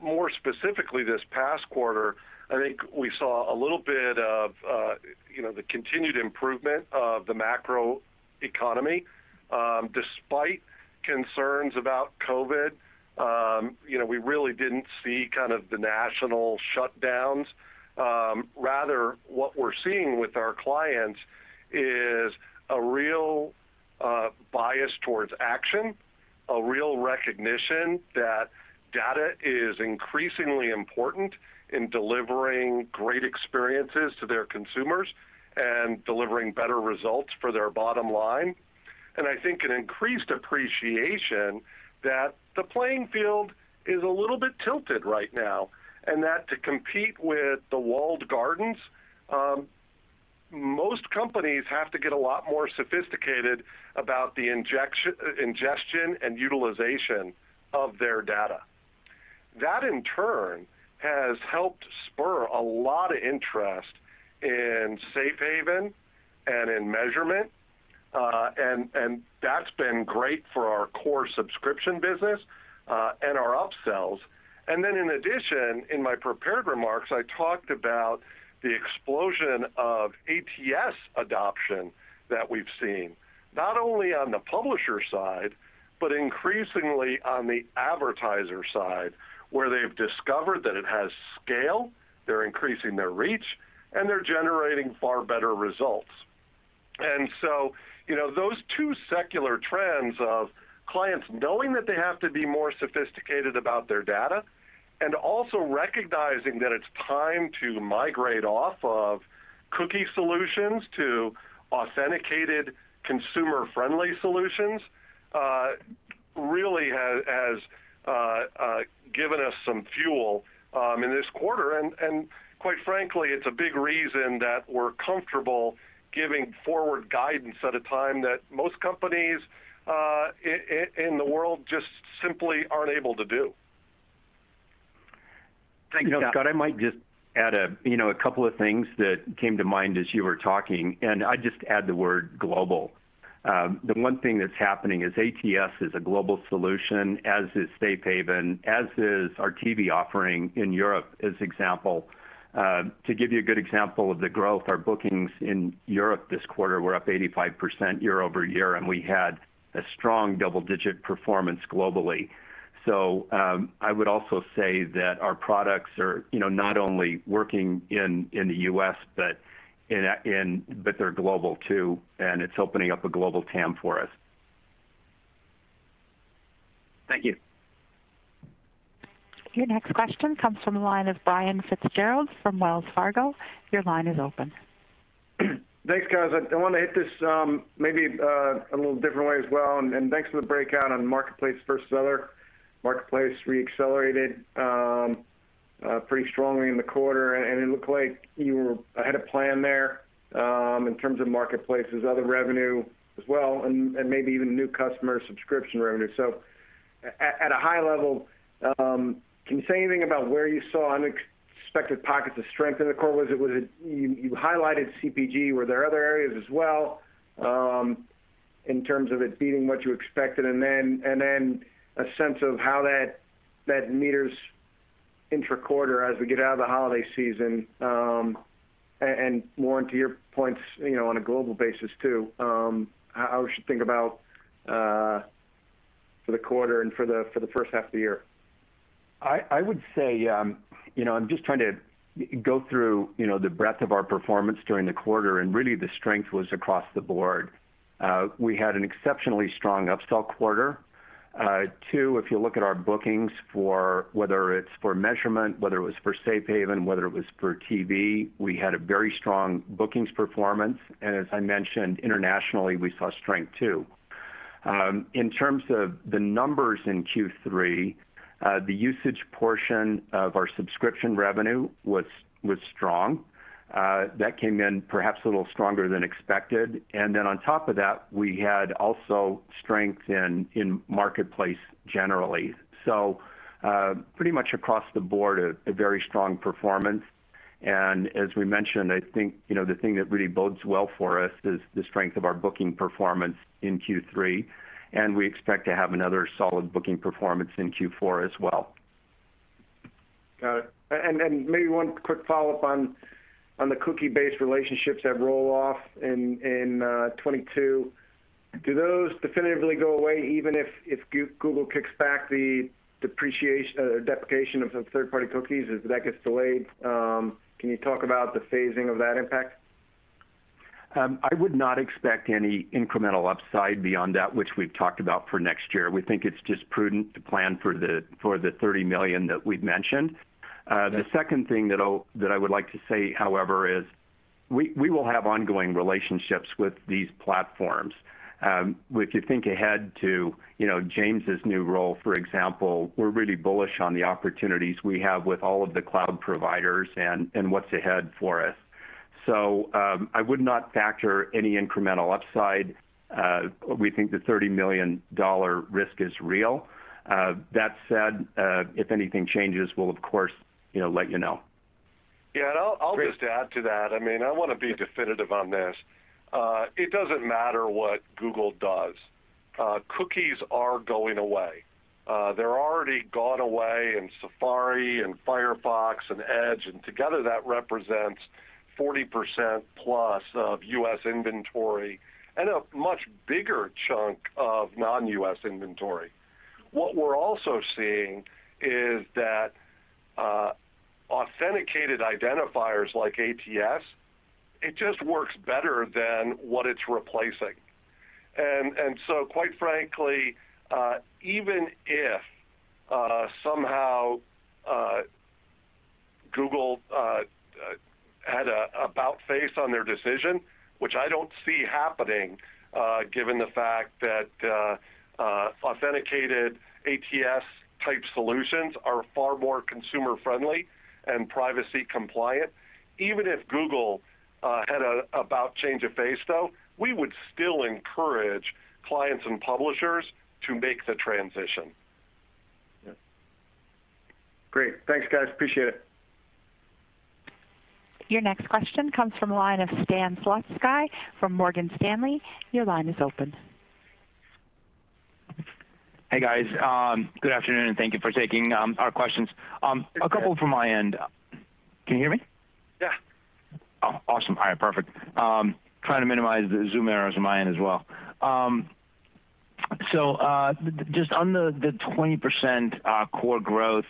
More specifically, this past quarter, I think we saw a little bit of the continued improvement of the macro economy. Despite concerns about COVID, we really didn't see kind of the national shutdowns. Rather, what we're seeing with our clients is a real bias towards action, a real recognition that data is increasingly important in delivering great experiences to their consumers and delivering better results for their bottom line. I think an increased appreciation that the playing field is a little bit tilted right now, and that to compete with the walled gardens, most companies have to get a lot more sophisticated about the ingestion and utilization of their data. That, in turn, has helped spur a lot of interest in Safe Haven and in measurement. That's been great for our core subscription business and our upsells. In addition, in my prepared remarks, I talked about the explosion of ATS adoption that we've seen, not only on the publisher side, but increasingly on the advertiser side, where they've discovered that it has scale, they're increasing their reach, and they're generating far better results. Those two secular trends of clients knowing that they have to be more sophisticated about their data, and also recognizing that it's time to migrate off of cookie solutions to authenticated consumer-friendly solutions really has given us some fuel in this quarter. Quite frankly, it's a big reason that we're comfortable giving forward guidance at a time that most companies in the world just simply aren't able to do. Thanks, Scott. Scott, I might just add a couple of things that came to mind as you were talking, and I'd just add the word global. The one thing that's happening is ATS is a global solution, as is Safe Haven, as is our TV offering in Europe, as example. To give you a good example of the growth, our bookings in Europe this quarter were up 85% year-over-year, and we had a strong double-digit performance globally. I would also say that our products are not only working in the U.S., but they're global too, and it's opening up a global TAM for us. Thank you. Your next question comes from the line of Brian FitzGerald from Wells Fargo. Your line is open. Thanks, guys. I want to hit this maybe a little different way as well, and thanks for the breakout on Marketplace versus other. Marketplace re-accelerated pretty strongly in the quarter. It looked like you had a plan there in terms of Marketplace as other revenue as well, and maybe even new customer subscription revenue. At a high level, can you say anything about where you saw unexpected pockets of strength in the quarter? You highlighted CPG, were there other areas as well in terms of it beating what you expected? Then a sense of how that meters intra-quarter as we get out of the holiday season. Warren, to your points on a global basis too, how we should think about for the quarter and for the first half of the year. I would say, I'm just trying to go through the breadth of our performance during the quarter, and really the strength was across the board. We had an exceptionally strong upsell quarter. Two, if you look at our bookings for whether it's for measurement, whether it was for Safe Haven, whether it was for TV, we had a very strong bookings performance. As I mentioned, internationally, we saw strength too. In terms of the numbers in Q3, the usage portion of our subscription revenue was strong. That came in perhaps a little stronger than expected. On top of that, we had also strength in Marketplace generally. Pretty much across the board, a very strong performance. As we mentioned, I think the thing that really bodes well for us is the strength of our booking performance in Q3, and we expect to have another solid booking performance in Q4 as well. Got it. Maybe one quick follow-up on the cookie-based relationships that roll off in 2022. Do those definitively go away even if Google kicks back the deprecation of the third-party cookies as that gets delayed? Can you talk about the phasing of that impact? I would not expect any incremental upside beyond that which we've talked about for next year. We think it's just prudent to plan for the $30 million that we've mentioned. The second thing that I would like to say, however, is we will have ongoing relationships with these platforms. If you think ahead to James' new role, for example, we're really bullish on the opportunities we have with all of the cloud providers and what's ahead for us. I would not factor any incremental upside. We think the $30 million risk is real. That said, if anything changes, we'll of course let you know. Yeah, I'll just add to that. I want to be definitive on this. It doesn't matter what Google does. Cookies are going away. They're already gone away in Safari and Firefox and Edge, and together that represents 40%+ of U.S. inventory and a much bigger chunk of non-U.S. inventory. What we're also seeing is that authenticated identifiers like ATS, it just works better than what it's replacing. Quite frankly, even if somehow Google had a about-face on their decision, which I don't see happening given the fact that authenticated ATS-type solutions are far more consumer-friendly and privacy compliant. Even if Google had about change of face, though, we would still encourage clients and publishers to make the transition. Great. Thanks, guys. Appreciate it. Your next question comes from the line of Stan Zlotsky from Morgan Stanley. Your line is open. Hey, guys. Good afternoon, and thank you for taking our questions. Sure. A couple from my end. Can you hear me? Yeah. Oh, awesome. All right, perfect. Trying to minimize the Zoom errors on my end as well. Just on the 20% core growth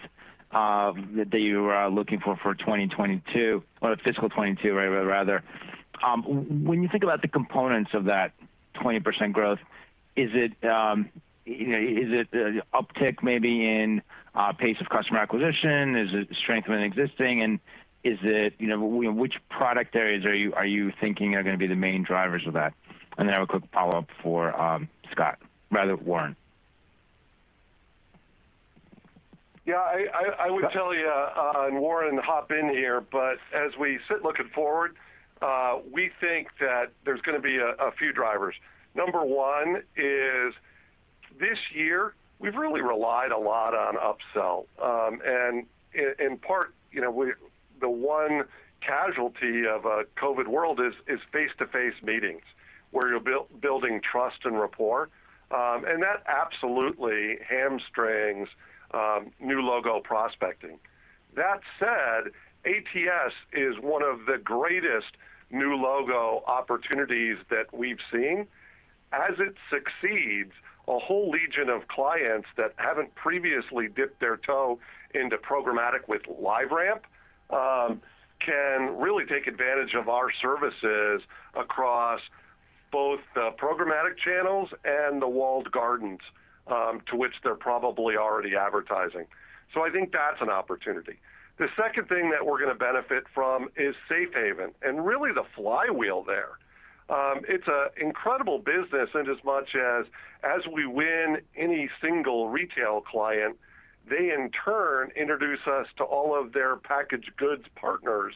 that you were looking for 2022, or FY 2022, rather. When you think about the components of that 20% growth, is it the uptick maybe in pace of customer acquisition? Is it the strength of an existing? Which product areas are you thinking are going to be the main drivers of that? I have a quick follow-up for Scott, rather, Warren. I would tell you, and Warren, hop in here. As we sit looking forward, we think that there's going to be a few drivers. Number one is, this year, we've really relied a lot on upsell. In part, the one casualty of a COVID world is face-to-face meetings where you're building trust and rapport, and that absolutely hamstrings new logo prospecting. That said, ATS is one of the greatest new logo opportunities that we've seen. As it succeeds, a whole legion of clients that haven't previously dipped their toe into programmatic with LiveRamp can really take advantage of our services across both the programmatic channels and the walled gardens, to which they're probably already advertising. I think that's an opportunity. The second thing that we're going to benefit from is Safe Haven and really the flywheel there. It's an incredible business in as much as we win any single retail client, they in turn introduce us to all of their packaged goods partners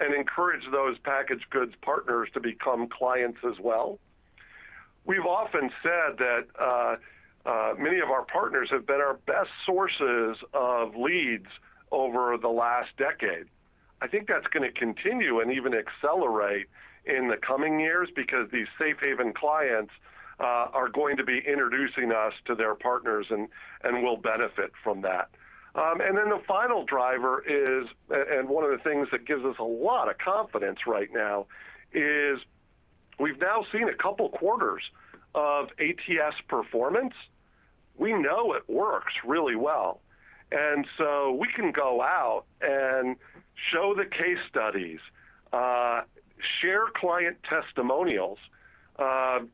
and encourage those packaged goods partners to become clients as well. We've often said that many of our partners have been our best sources of leads over the last decade. I think that's going to continue and even accelerate in the coming years because these Safe Haven clients are going to be introducing us to their partners, and we'll benefit from that. The final driver is, and one of the things that gives us a lot of confidence right now is we've now seen a couple quarters of ATS performance. We know it works really well, and so we can go out and show the case studies, share client testimonials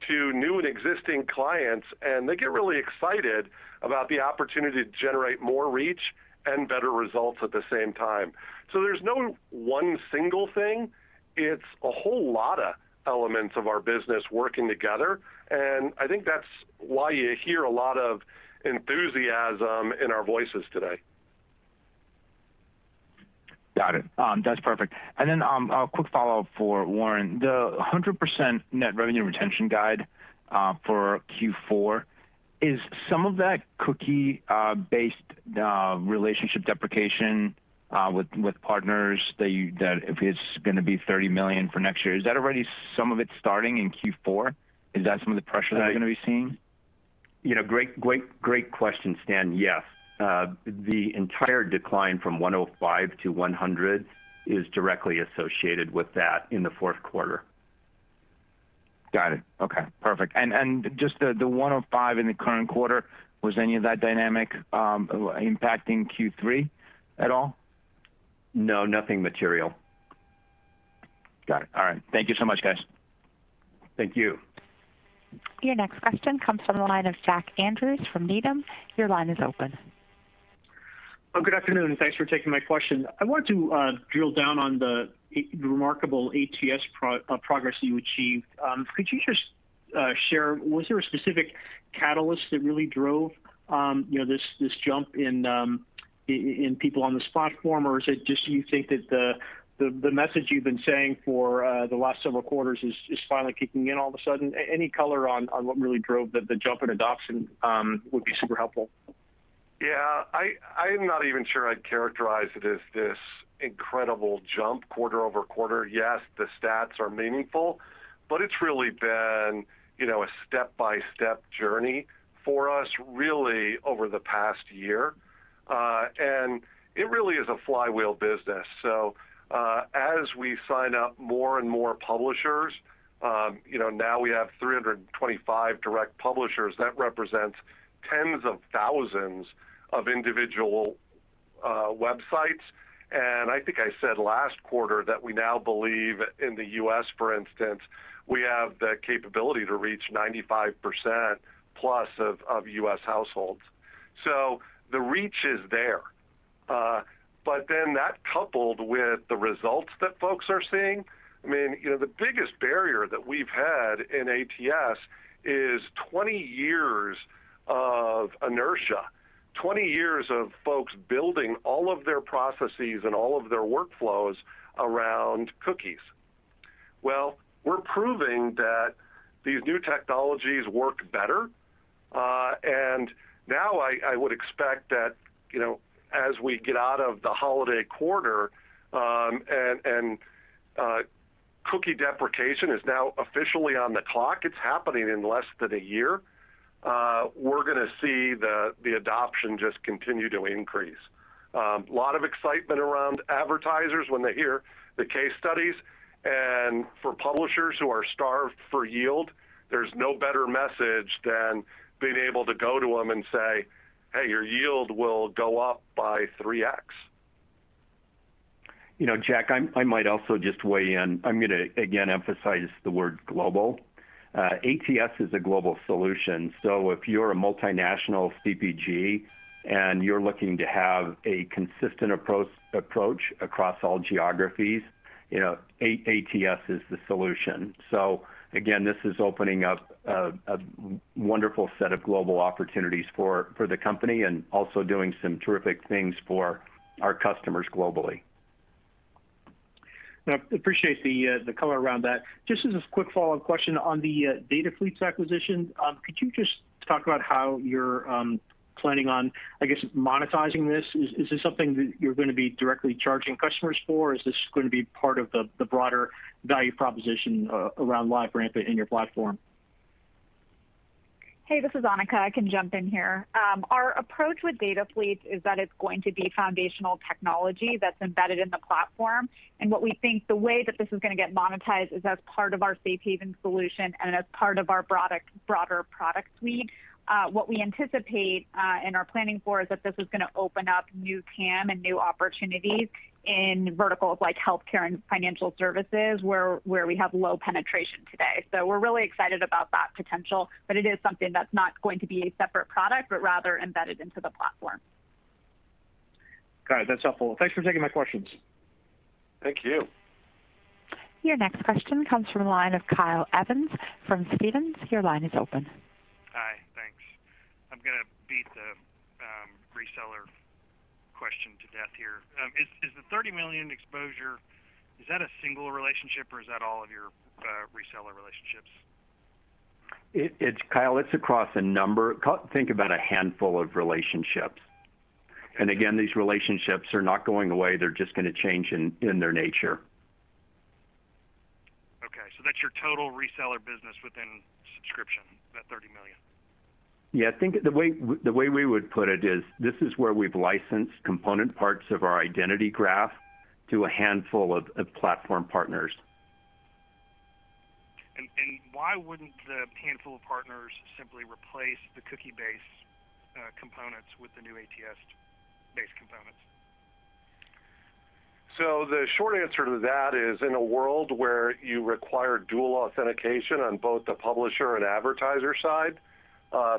to new and existing clients, and they get really excited about the opportunity to generate more reach and better results at the same time. There's no one single thing. It's a whole lot of elements of our business working together, and I think that's why you hear a lot of enthusiasm in our voices today. Got it. That's perfect. A quick follow-up for Warren. The 100% net revenue retention guide for Q4, is some of that cookie-based relationship deprecation with partners that if it's going to be $30 million for next year, is that already some of it starting in Q4? Is that some of the pressure that you're going to be seeing? Great question, Stan. Yes. The entire decline from 105 to 100 is directly associated with that in the fourth quarter. Got it. Okay, perfect. Just the 105 in the current quarter, was any of that dynamic impacting Q3 at all? No, nothing material. Got it. All right. Thank you so much, guys. Thank you. Your next question comes from the line of Jack Andrews from Needham. Your line is open. Good afternoon. Thanks for taking my question. I wanted to drill down on the remarkable ATS progress you achieved. Could you just share, was there a specific catalyst that really drove this jump in people on the platform, or is it just you think that the message you've been saying for the last several quarters is finally kicking in all of a sudden? Any color on what really drove the jump in adoption would be super helpful. Yeah. I'm not even sure I'd characterize it as this incredible jump quarter-over-quarter. Yes, the stats are meaningful, it's really been a step-by-step journey for us, really over the past year. It really is a flywheel business. As we sign up more and more publishers, now we have 325 direct publishers. That represents tens of thousands of individual websites. I think I said last quarter that we now believe in the U.S., for instance, we have the capability to reach 95%+ of U.S. households. The reach is there. That coupled with the results that folks are seeing, the biggest barrier that we've had in ATS is 20 years of inertia, 20 years of folks building all of their processes and all of their workflows around cookies. Well, we're proving that these new technologies work better. Now I would expect that, as we get out of the holiday quarter, and cookie deprecation is now officially on the clock, it's happening in less than a year, we're going to see the adoption just continue to increase. A lot of excitement around advertisers when they hear the case studies. For publishers who are starved for yield, there's no better message than being able to go to them and say, "Hey, your yield will go up by 3x. Jack, I might also just weigh in. I'm going to, again, emphasize the word global. ATS is a global solution, so if you're a multinational CPG and you're looking to have a consistent approach across all geographies, ATS is the solution. Again, this is opening up a wonderful set of global opportunities for the company and also doing some terrific things for our customers globally. I appreciate the color around that. Just as a quick follow-up question on the DataFleets acquisition, could you just talk about how you're planning on, I guess, monetizing this? Is this something that you're going to be directly charging customers for, or is this going to be part of the broader value proposition around LiveRamp in your platform? Hey, this is Anneka. I can jump in here. Our approach with DataFleets is that it's going to be foundational technology that's embedded in the platform. What we think the way that this is going to get monetized is as part of our Safe Haven solution and as part of our broader product suite. What we anticipate and are planning for is that this is going to open up new TAM and new opportunities in verticals like healthcare and financial services, where we have low penetration today. We're really excited about that potential. It is something that's not going to be a separate product, but rather embedded into the platform. Got it. That's helpful. Thanks for taking my questions. Thank you. Your next question comes from the line of Kyle Evans from Stephens. Your line is open. Hi. Thanks. I'm going to beat the reseller question to death here. Is the $30 million exposure, is that a single relationship, or is that all of your reseller relationships? Kyle, it's across a number. Think about a handful of relationships. Again, these relationships are not going away. They're just going to change in their nature. Okay. That's your total reseller business within subscription, that $30 million? Yeah. I think the way we would put it is this is where we've licensed component parts of our identity graph to a handful of platform partners. Why wouldn't the handful of partners simply replace the cookie-based components with the new ATS-based components? The short answer to that is, in a world where you require dual authentication on both the publisher and advertiser side,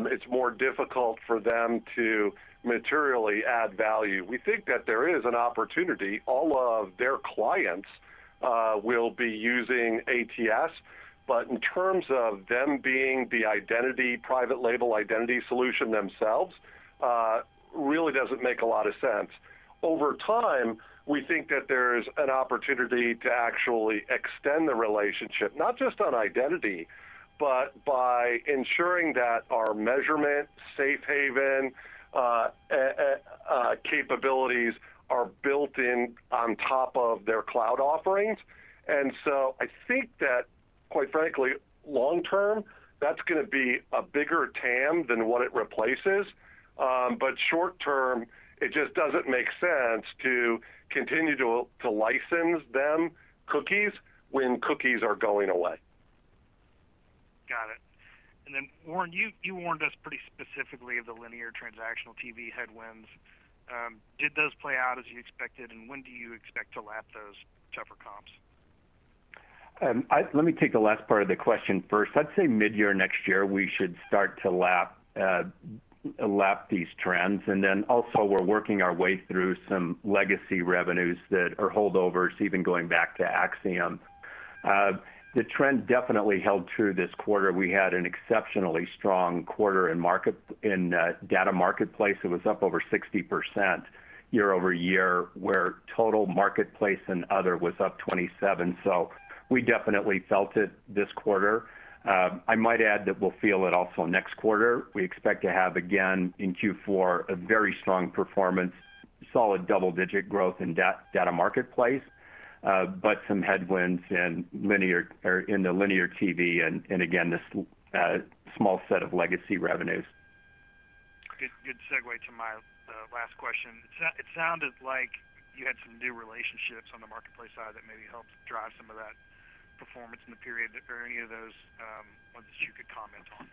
it's more difficult for them to materially add value. We think that there is an opportunity. All of their clients will be using ATS, but in terms of them being the private label identity solution themselves, really doesn't make a lot of sense. Over time, we think that there's an opportunity to actually extend the relationship, not just on identity, but by ensuring that our measurement, Safe Haven capabilities are built in on top of their cloud offerings. I think that quite frankly, long-term, that's going to be a bigger TAM than what it replaces. Short-term, it just doesn't make sense to continue to license them cookies when cookies are going away. Got it. Warren, you warned us pretty specifically of the linear transactional TV headwinds. Did those play out as you expected, and when do you expect to lap those tougher comps? Let me take the last part of the question first. I'd say mid-year next year, we should start to lap these trends, and then also we're working our way through some legacy revenues that are holdovers even going back to Acxiom. The trend definitely held true this quarter. We had an exceptionally strong quarter in Data Marketplace. It was up over 60% year-over-year, where total Marketplace and other was up 27%. We definitely felt it this quarter. I might add that we'll feel it also next quarter. We expect to have, again, in Q4, a very strong performance, solid double-digit growth in Data Marketplace, but some headwinds in the linear TV and again, this small set of legacy revenues. Good segue to my last question. It sounded like you had some new relationships on the Marketplace side that maybe helped drive some of that performance in the period. Are any of those ones that you could comment on?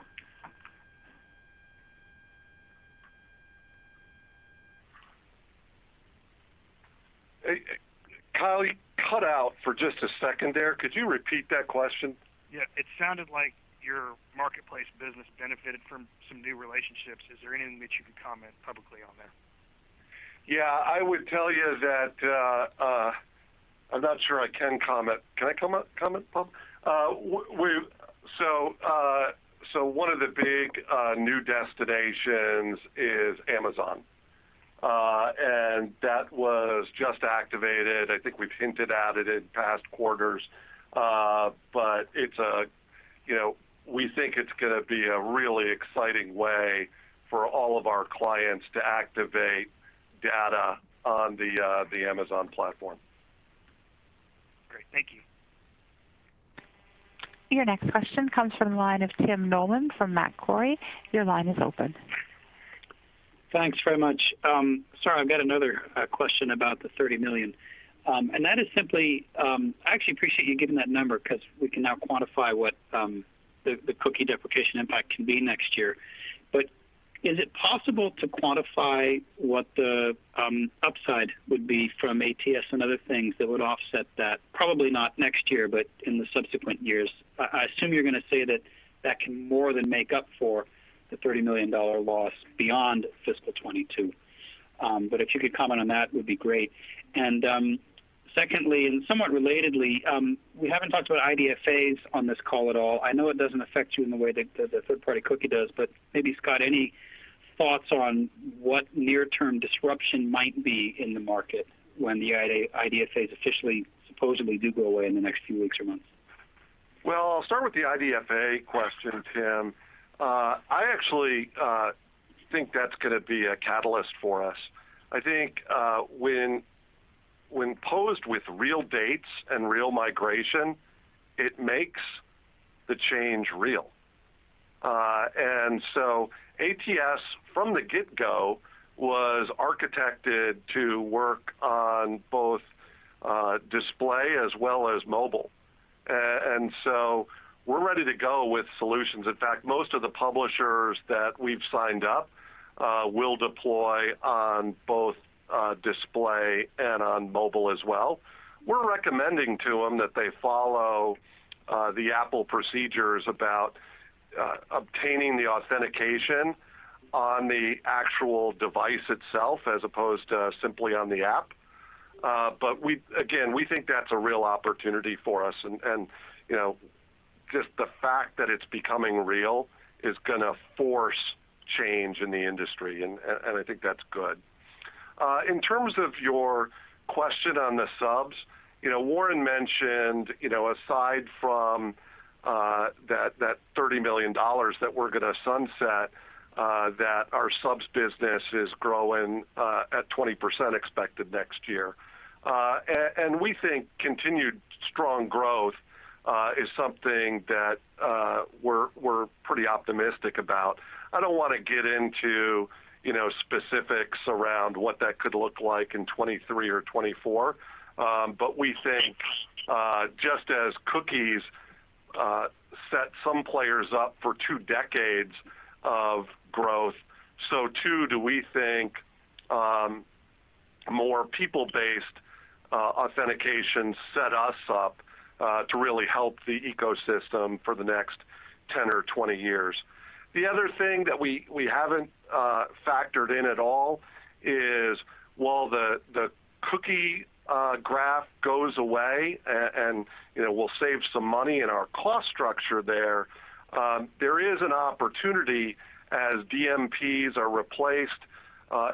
Kyle, you cut out for just a second there. Could you repeat that question? Yeah. It sounded like your Marketplace business benefited from some new relationships. Is there anything that you can comment publicly on there? Yeah. I would tell you that I'm not sure I can comment. Can I comment? One of the big new destinations is Amazon. And that was just activated. I think we've hinted at it in past quarters. We think it's going to be a really exciting way for all of our clients to activate data on the Amazon platform. Great. Thank you. Your next question comes from the line of Tim Nollen from Macquarie. Your line is open. Thanks very much. Sorry, I've got another question about the $30 million. I actually appreciate you giving that number because we can now quantify what the cookie deprecation impact can be next year. Is it possible to quantify what the upside would be from ATS and other things that would offset that? Probably not next year, but in the subsequent years. I assume you're going to say that that can more than make up for the $30 million loss beyond FY 2022. If you could comment on that, would be great. Secondly, and somewhat relatedly, we haven't talked about IDFAs on this call at all. I know it doesn't affect you in the way the third-party cookie does, maybe, Scott, any thoughts on what near-term disruption might be in the market when the IDFAs officially supposedly do go away in the next few weeks or months? Well, I'll start with the IDFA question, Tim. I actually think that's gonna be a catalyst for us. I think when posed with real dates and real migration, it makes the change real. ATS from the get-go was architected to work on both display as well as mobile. We're ready to go with solutions. In fact, most of the publishers that we've signed up will deploy on both display and on mobile as well. We're recommending to them that they follow the Apple procedures about obtaining the authentication on the actual device itself as opposed to simply on the app. Again, we think that's a real opportunity for us and just the fact that it's becoming real is gonna force change in the industry, and I think that's good. In terms of your question on the subs, Warren mentioned aside from that $30 million that we're gonna sunset, that our subs business is growing at 20% expected next year. We think continued strong growth is something that we're pretty optimistic about. I don't want to get into specifics around what that could look like in 2023 or 2024. We think just as cookies set some players up for two decades of growth, so too do we think more people-based authentication set us up to really help the ecosystem for the next 10 or 20 years. The other thing that we haven't factored in at all is while the cookie graph goes away and we'll save some money in our cost structure there is an opportunity as DMPs are replaced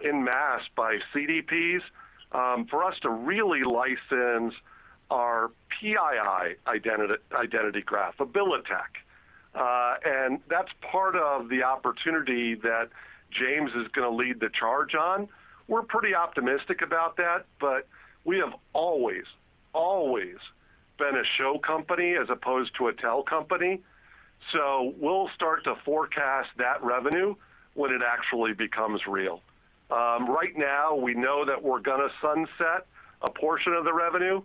en masse by CDPs for us to really license our PII identity graph, AbiliTec. That's part of the opportunity that James is going to lead the charge on. We're pretty optimistic about that, but we have always been a show company as opposed to a tell company. We'll start to forecast that revenue when it actually becomes real. Right now we know that we're going to sunset a portion of the revenue,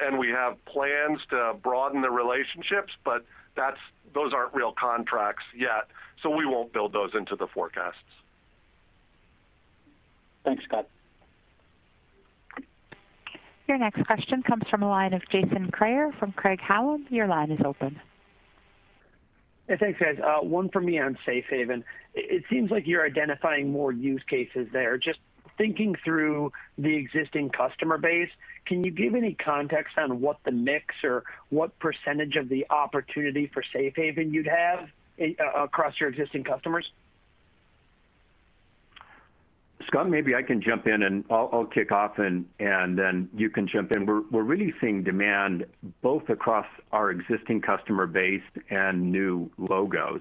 and we have plans to broaden the relationships, but those aren't real contracts yet, so we won't build those into the forecasts. Thanks, Scott. Your next question comes from the line of Jason Kreyer from Craig-Hallum. Your line is open. Yeah, thanks, guys. One for me on Safe Haven. It seems like you're identifying more use cases there. Just thinking through the existing customer base, can you give any context on what the mix or what percentage of the opportunity for Safe Haven you'd have across your existing customers? Scott, maybe I can jump in and I'll kick off and then you can jump in. We're really seeing demand both across our existing customer base and new logos.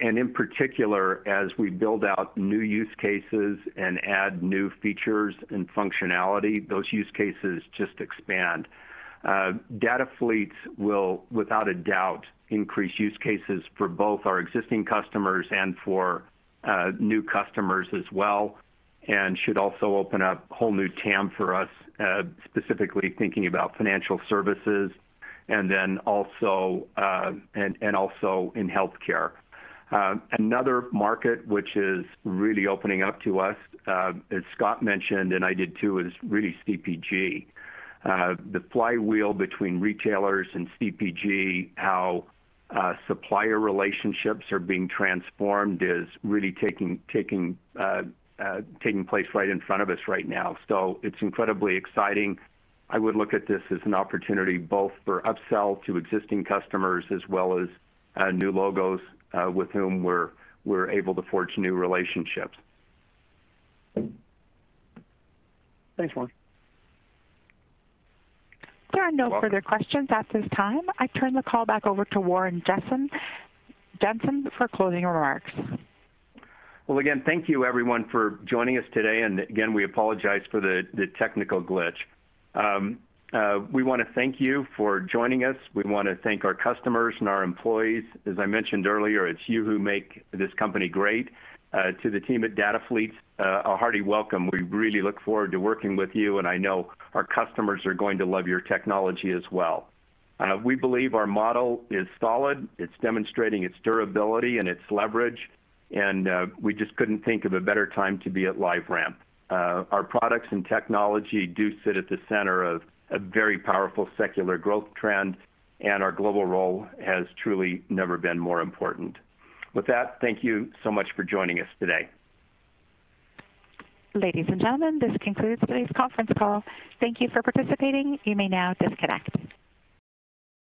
In particular, as we build out new use cases and add new features and functionality, those use cases just expand. DataFleets will, without a doubt, increase use cases for both our existing customers and for new customers as well, and should also open up whole new TAM for us, specifically thinking about financial services and then also in healthcare. Another market which is really opening up to us, as Scott mentioned, and I did too, is really CPG. The flywheel between retailers and CPG, how supplier relationships are being transformed is really taking place right in front of us right now. It's incredibly exciting. I would look at this as an opportunity both for upsell to existing customers as well as new logos with whom we're able to forge new relationships. Thanks, Warren. There are no further questions at this time. I turn the call back over to Warren Jenson for closing remarks. Well, again, thank you everyone for joining us today. Again, we apologize for the technical glitch. We want to thank you for joining us. We want to thank our customers and our employees. As I mentioned earlier, it's you who make this company great. To the team at DataFleets, a hearty welcome. We really look forward to working with you. I know our customers are going to love your technology as well. We believe our model is solid. It's demonstrating its durability and its leverage. We just couldn't think of a better time to be at LiveRamp. Our products and technology do sit at the center of a very powerful secular growth trend. Our global role has truly never been more important. With that, thank you so much for joining us today. Ladies and gentlemen, this concludes today's conference call. Thank you for participating. You may now disconnect.